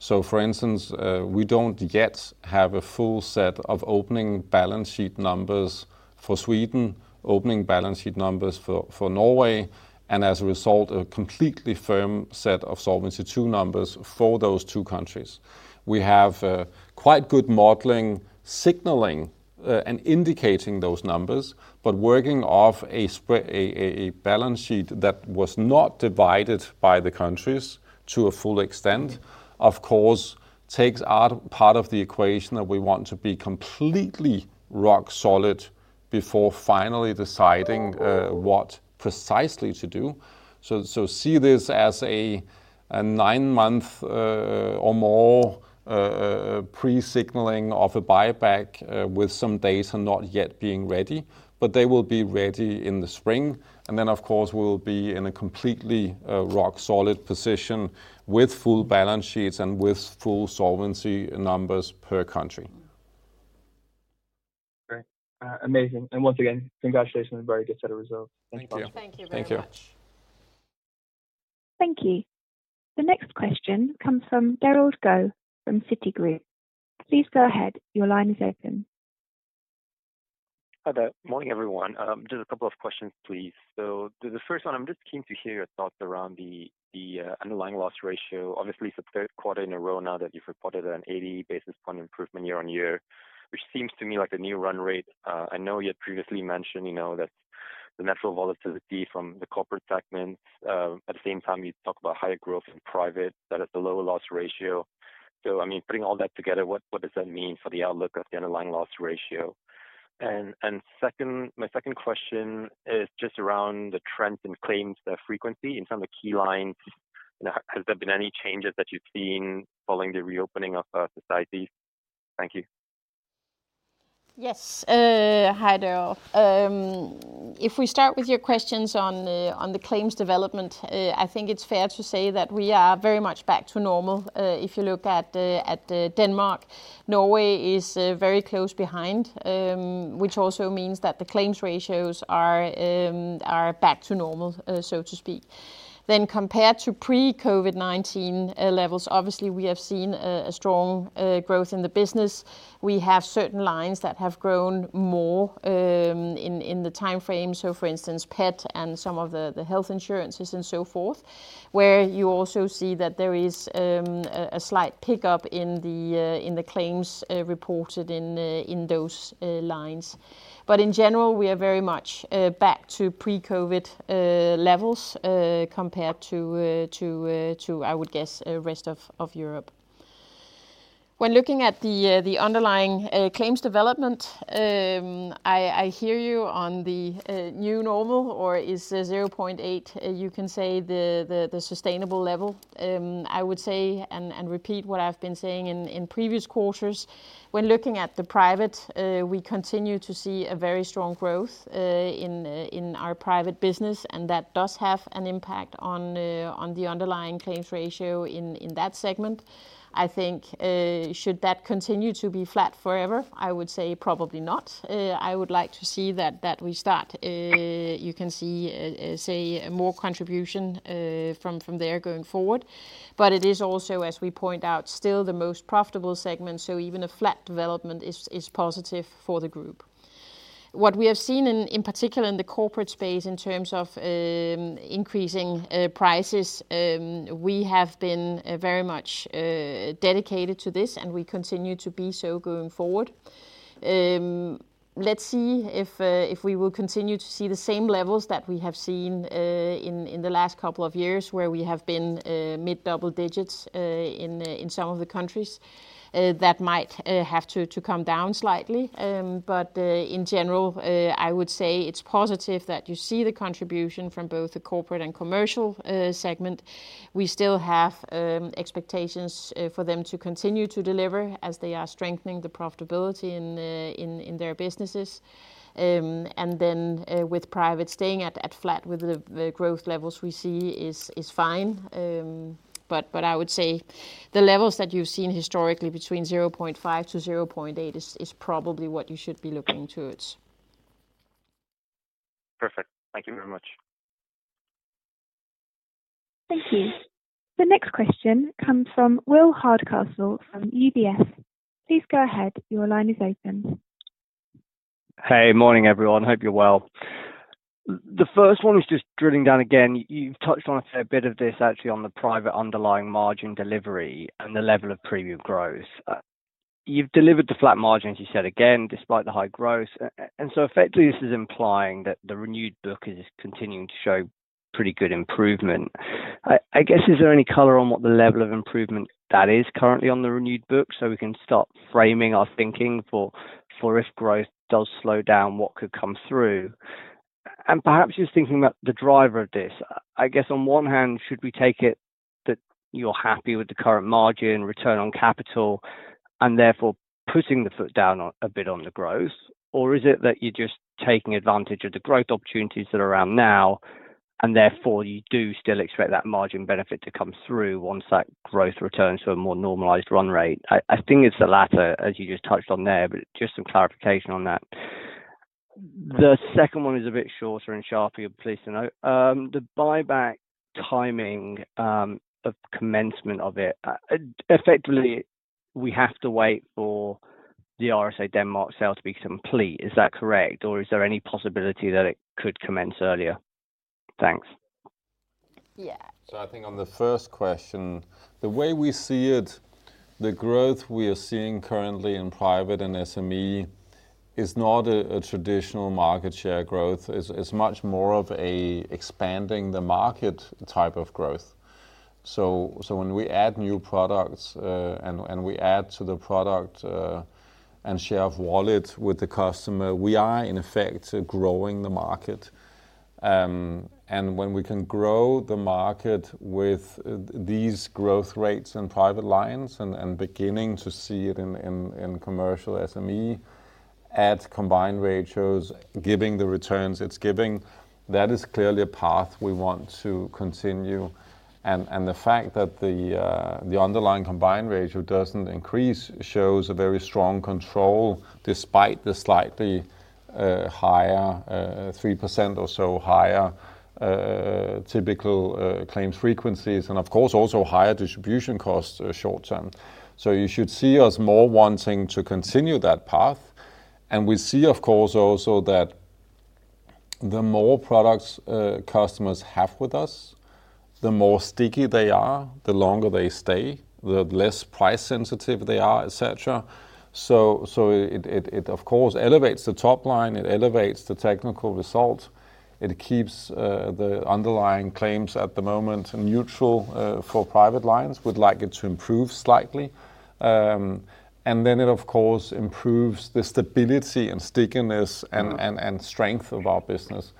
For instance, we don't yet have a full set of opening balance sheet numbers for Sweden, opening balance sheet numbers for Norway, and as a result, a completely firm set of Solvency II numbers for those two countries. We have quite good modeling signaling and indicating those numbers, but working off a balance sheet that was not divided by the countries to a full extent, of course, takes out part of the equation that we want to be completely rock solid before finally deciding what precisely to do. See this as a nine month or more pre-signaling of a buyback with some data not yet being ready, but they will be ready in the spring. Then of course, we'll be in a completely rock solid position with full balance sheets and with full solvency numbers per country. Great. Amazing and once again, congratulations on a very good set of results. Thank you. Thank you very much. Thank you. Thank you. The next question comes from Derald Goh from Citigroup. Please go ahead. Your line is open. Hi there. Morning, everyone just a couple of questions please so, for the first one, I'm just keen to hear your thoughts around the underlying loss ratio obviously, it's the Q3 in a row now that you've reported an 80 basis point improvement year-over-year, which seems to me like the new run rate. I know you had previously mentioned that the natural volatility from the corporate segment. At the same time, you talk about higher growth in private that has the lower loss ratio. Putting all that together, what does that mean for the outlook of the underlying loss ratio? My second question is just around the trends in claims frequency in some of the key lines, has there been any changes that you've seen following the reopening of societies? Thank you. Yes. Hi Derald. If we start with your questions on the claims development, I think it's fair to say that we are very much back to normal. If you look at Denmark, Norway is very close behind, which also means that the claims ratios are back to normal, so to speak. Compared to pre-COVID-19 levels, obviously, we have seen a strong growth in the business. We have certain lines that have grown more in the time frame so for instance, pet and some of the health insurances and so forth, where you also see that there is a slight pickup in the claims reported in those lines. In general, we are very much back to pre-COVID levels compared to, I would guess, rest of Europe. When looking at the underlying claims development, I hear you on the new normal, or is it 0.8, you can say the sustainable level? I would say and repeat what I've been saying in previous quarters, when looking at the private, we continue to see a very strong growth in our private business, and that does have an impact on the underlying claims ratio in that segment. I think, should that continue to be flat forever? I would say probably not. I would like to see that we start, you can see, say, more contribution from there going forward. But it is also, as we point out, still the most profitable segment, so even a flat development is positive for the group. What we have seen in particular in the corporate space in terms of increasing prices, we have been very much dedicated to this, and we continue to be so going forward. Let's see if we will continue to see the same levels that we have seen in the last couple of years where we have been mid double digits in some of the countries. That might have to come down slightly. And but in general, I would say it's positive that you see the contribution from both the corporate and commercial segment. We still have expectations for them to continue to deliver as they are strengthening the profitability in their businesses. And then with private staying at flat with the growth levels we see is fine. But I would say the levels that you've seen historically between 0.5-0.8 is probably what you should be looking towards. Perfect. Thank you very much. The next question comes from Will Hardcastle from UBS. Please go ahead. Your line is open. Hey, morning everyone hope you're well. The first one is just drilling down again, you've touched on, I'd say, a bit of this actually on the private underlying margin delivery and the level of premium growth. You've delivered the flat margin, as you said again, despite the high growth. Effectively this is implying that the renewed book is continuing to show pretty good improvement. I guess, is there any color on what the level of improvement that is currently on the renewed book so we can start framing our thinking for if growth does slow down, what could come through? Perhaps just thinking about the driver of this. I guess on one hand, should we take it that you're happy with the current margin return on capital- -And therefore putting the foot down a bit on the growth? Is it that you're just taking advantage of the growth opportunities that are around now, and therefore you do still expect that margin benefit to come through once that growth returns to a more normalized run rate? I think it's the latter, as you just touched on there, just some clarification on that. The second one is a bit shorter and sharper please to know. The buyback timing of commencement of it, effectively we have to wait for the RSA Denmark sale to be complete is that correct? Is there any possibility that it could commence earlier? Thanks. Yeah. I think on the first question, the way we see it, the growth we are seeing currently in private and SME is not a traditional market share growth. It's much more of a expanding the market type of growth. When we add new products, and we add to the product, and share wallet with the customer, we are in effect growing the market. When we can grow the market with these growth rates in private lines and beginning to see it in commercial SME at combined ratios, giving the returns it's giving, that is clearly a path we want to continue. The fact that the underlying combined ratio doesn't increase shows a very strong control despite the slightly higher, 3% or so higher typical claim frequencies, and of course also higher distribution costs short term. You should see us more wanting to continue that path. We see, of course, also that the more products customers have with us, the more sticky they are, the longer they stay, the less price sensitive they are, et cetera. It of course elevates the top line, it elevates the technical result. It keeps the underlying claims at the moment neutral for private lines, we'd like it to improve slightly. Then it of course improves the stability and stickiness and strength of our business.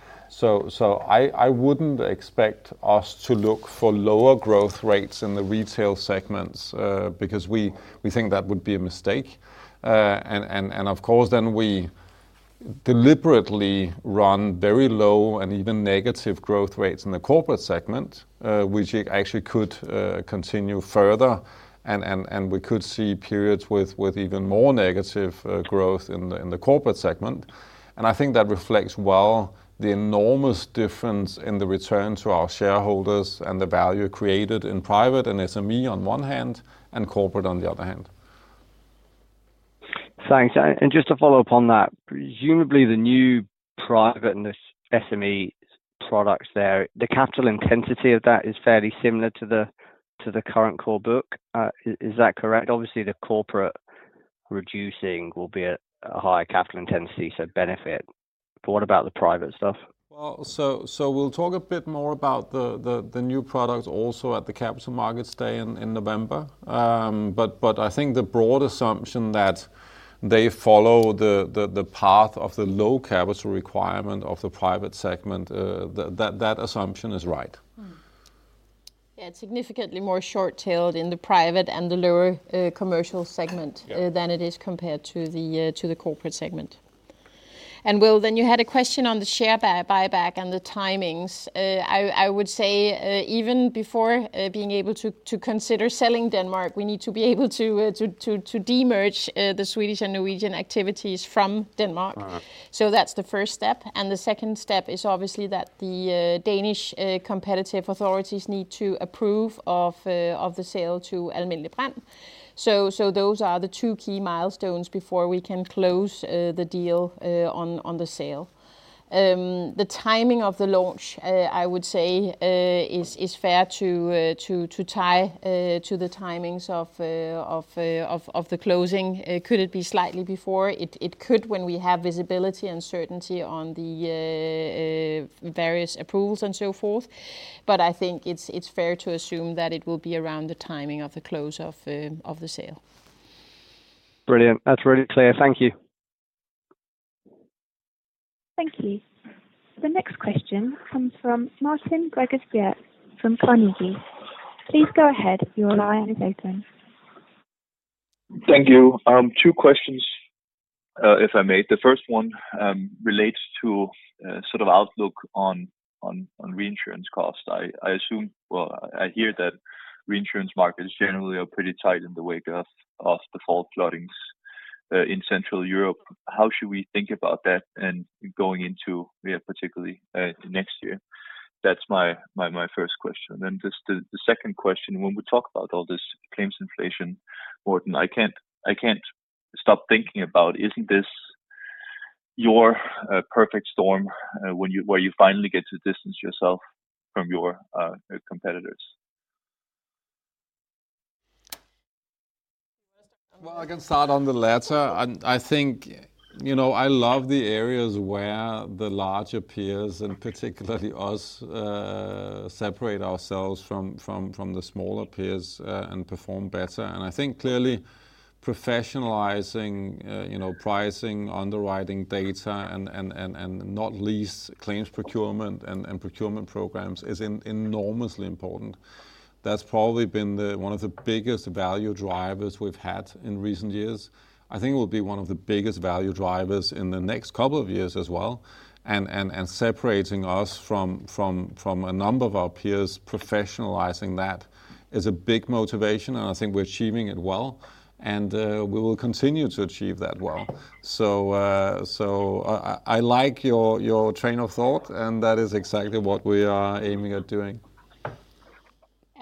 I wouldn't expect us to look for lower growth rates in the retail segments, because we think that would be a mistake. Of course then we deliberately run very low and even negative growth rates in the corporate segment, which actually could continue further, and we could see periods with even more negative growth in the corporate segment. I think that reflects well the enormous difference in the return to our shareholders and the value created in private and SME on one hand, and corporate on the other hand. Thanks just to follow up on that, presumably the new private and SME products there, the capital intensity of that is fairly similar to the current core book? Is that correct? obviously the corporate reducing will be at a higher capital intensity, so benefit. What about the private stuff? We'll talk a bit more about the new products also at the Capital Markets Day in November. I think the broad assumption that they follow the path of the low capital requirement of the private segment, that assumption is right. Yeah it's significantly more short-tailed in the private and the lower commercial segment- Yeah. -than it is compared to the corporate segment. And Will, then you had a question on the share buyback and the timings. I would say even before being able to consider selling Denmark, we need to be able to demerge the Swedish and Norwegian activities from Denmark. That's the first step and the second step is obviously that the Danish competitive authorities need to approve of the sale to Alm brand. Those are the two key milestones before we can close the deal on the sale. The timing of the launch, I would say, is fair to tie to the timings of the closing it could it be slightly before? It could when we have visibility and certainty on the various approvals and so forth. But I think it's fair to assume that it will be around the timing of the close of the sale. Brilliant. That's really clear thank you. Thank you. The next question comes from Martin Gregers Birk from Carnegie. Please go ahead. Your line is open. Thank you. Two questions if I may the first one, relates to outlook on reinsurance cost i assume, I hear that reinsurance markets generally are pretty tight in the wake of the fall floodings in Central Europe, how should we think about that and going into particularly next year? That's my first question and just the second question, when we talk about all this claims inflation. Morten, I can't stop thinking about, isn't this your perfect storm where you finally get to distance yourself from your competitors? I can start on the latter. I think, you know i love the areas where the larger peers, and particularly us, separate ourselves from the smaller peers and perform better i think clearly professionalizing pricing, underwriting data, and not least claims procurement and procurement programs is enormously important. That's probably been one of the biggest value drivers we've had in recent years. I think it will be one of the biggest value drivers in the next two years as well, and separating us from a number of our peers, professionalizing that is a big motivation, and I think we're achieving it well. And we will continue to achieve that well. I like your train of thought, and that is exactly what we are aiming at doing.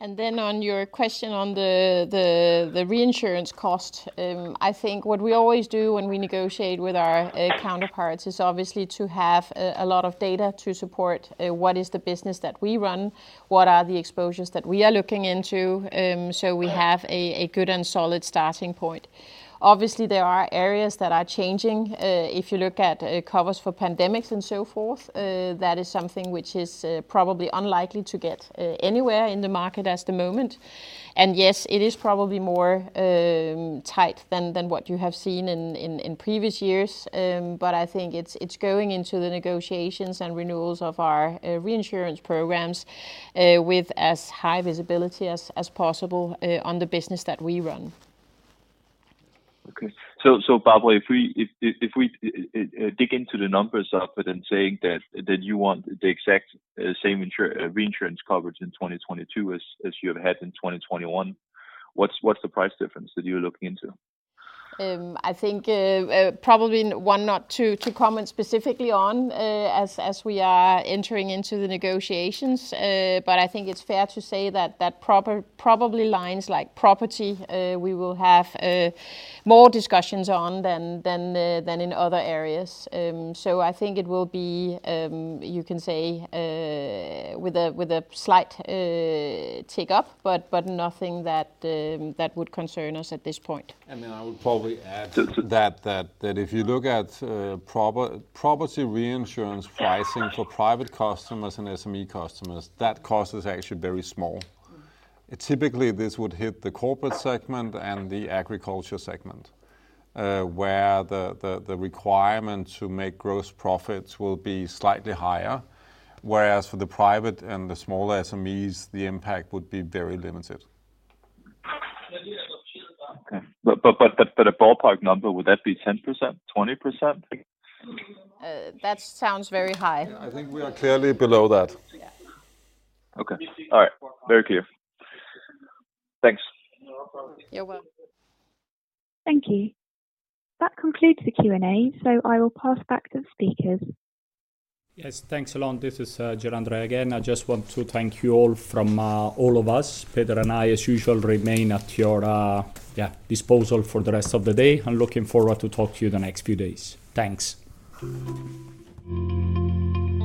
On your question on the reinsurance cost, I think what we always do when we negotiate with our counterparts is obviously to have a lot of data to support what is the business that we run, what are the exposures that we are looking into, so we have a good and solid starting point. Obviously, there are areas that are changing. If you look at covers for pandemics and so forth, that is something which is probably unlikely to get anywhere in the market at the moment. And yes, it is probably more tight than what you have seen in previous years. But i think it's going into the negotiations and renewals of our reinsurance programs with as high visibility as possible on the business that we run. Okay Barbara, if we dig into the numbers of it and saying that you want the exact same reinsurance coverage in 2022 as you have had in 2021, what's the price difference that you're looking into? I think probably one not to comment specifically on as we are entering into the negotiations. I think it's fair to say that probably lines like property we will have more discussions on than in other areas. I think it will be, you can say, with a slight tick up, but nothing that would concern us at this point. I would probably add to that if you look at property reinsurance pricing for private customers and SME customers, that cost is actually very small. Typically, this would hit the corporate segment and the agriculture segment, where the requirement to make gross profits will be slightly higher. Where for the private and the smaller SMEs, the impact would be very limited. Okay. A ballpark number, would that be 10%, 20%? That sounds very high. I think we are clearly below that. Yeah. Okay. All right. Very clear. Thanks. You're welcome. Thank you. That concludes the Q&A. I will pass back to the speakers. Yes, thanks a lot. This is Gianandrea again i just want to thank you all from all of us. Peder and I, as usual, remain at your disposal for the rest of the day, and looking forward to talk to you the next few days. Thanks.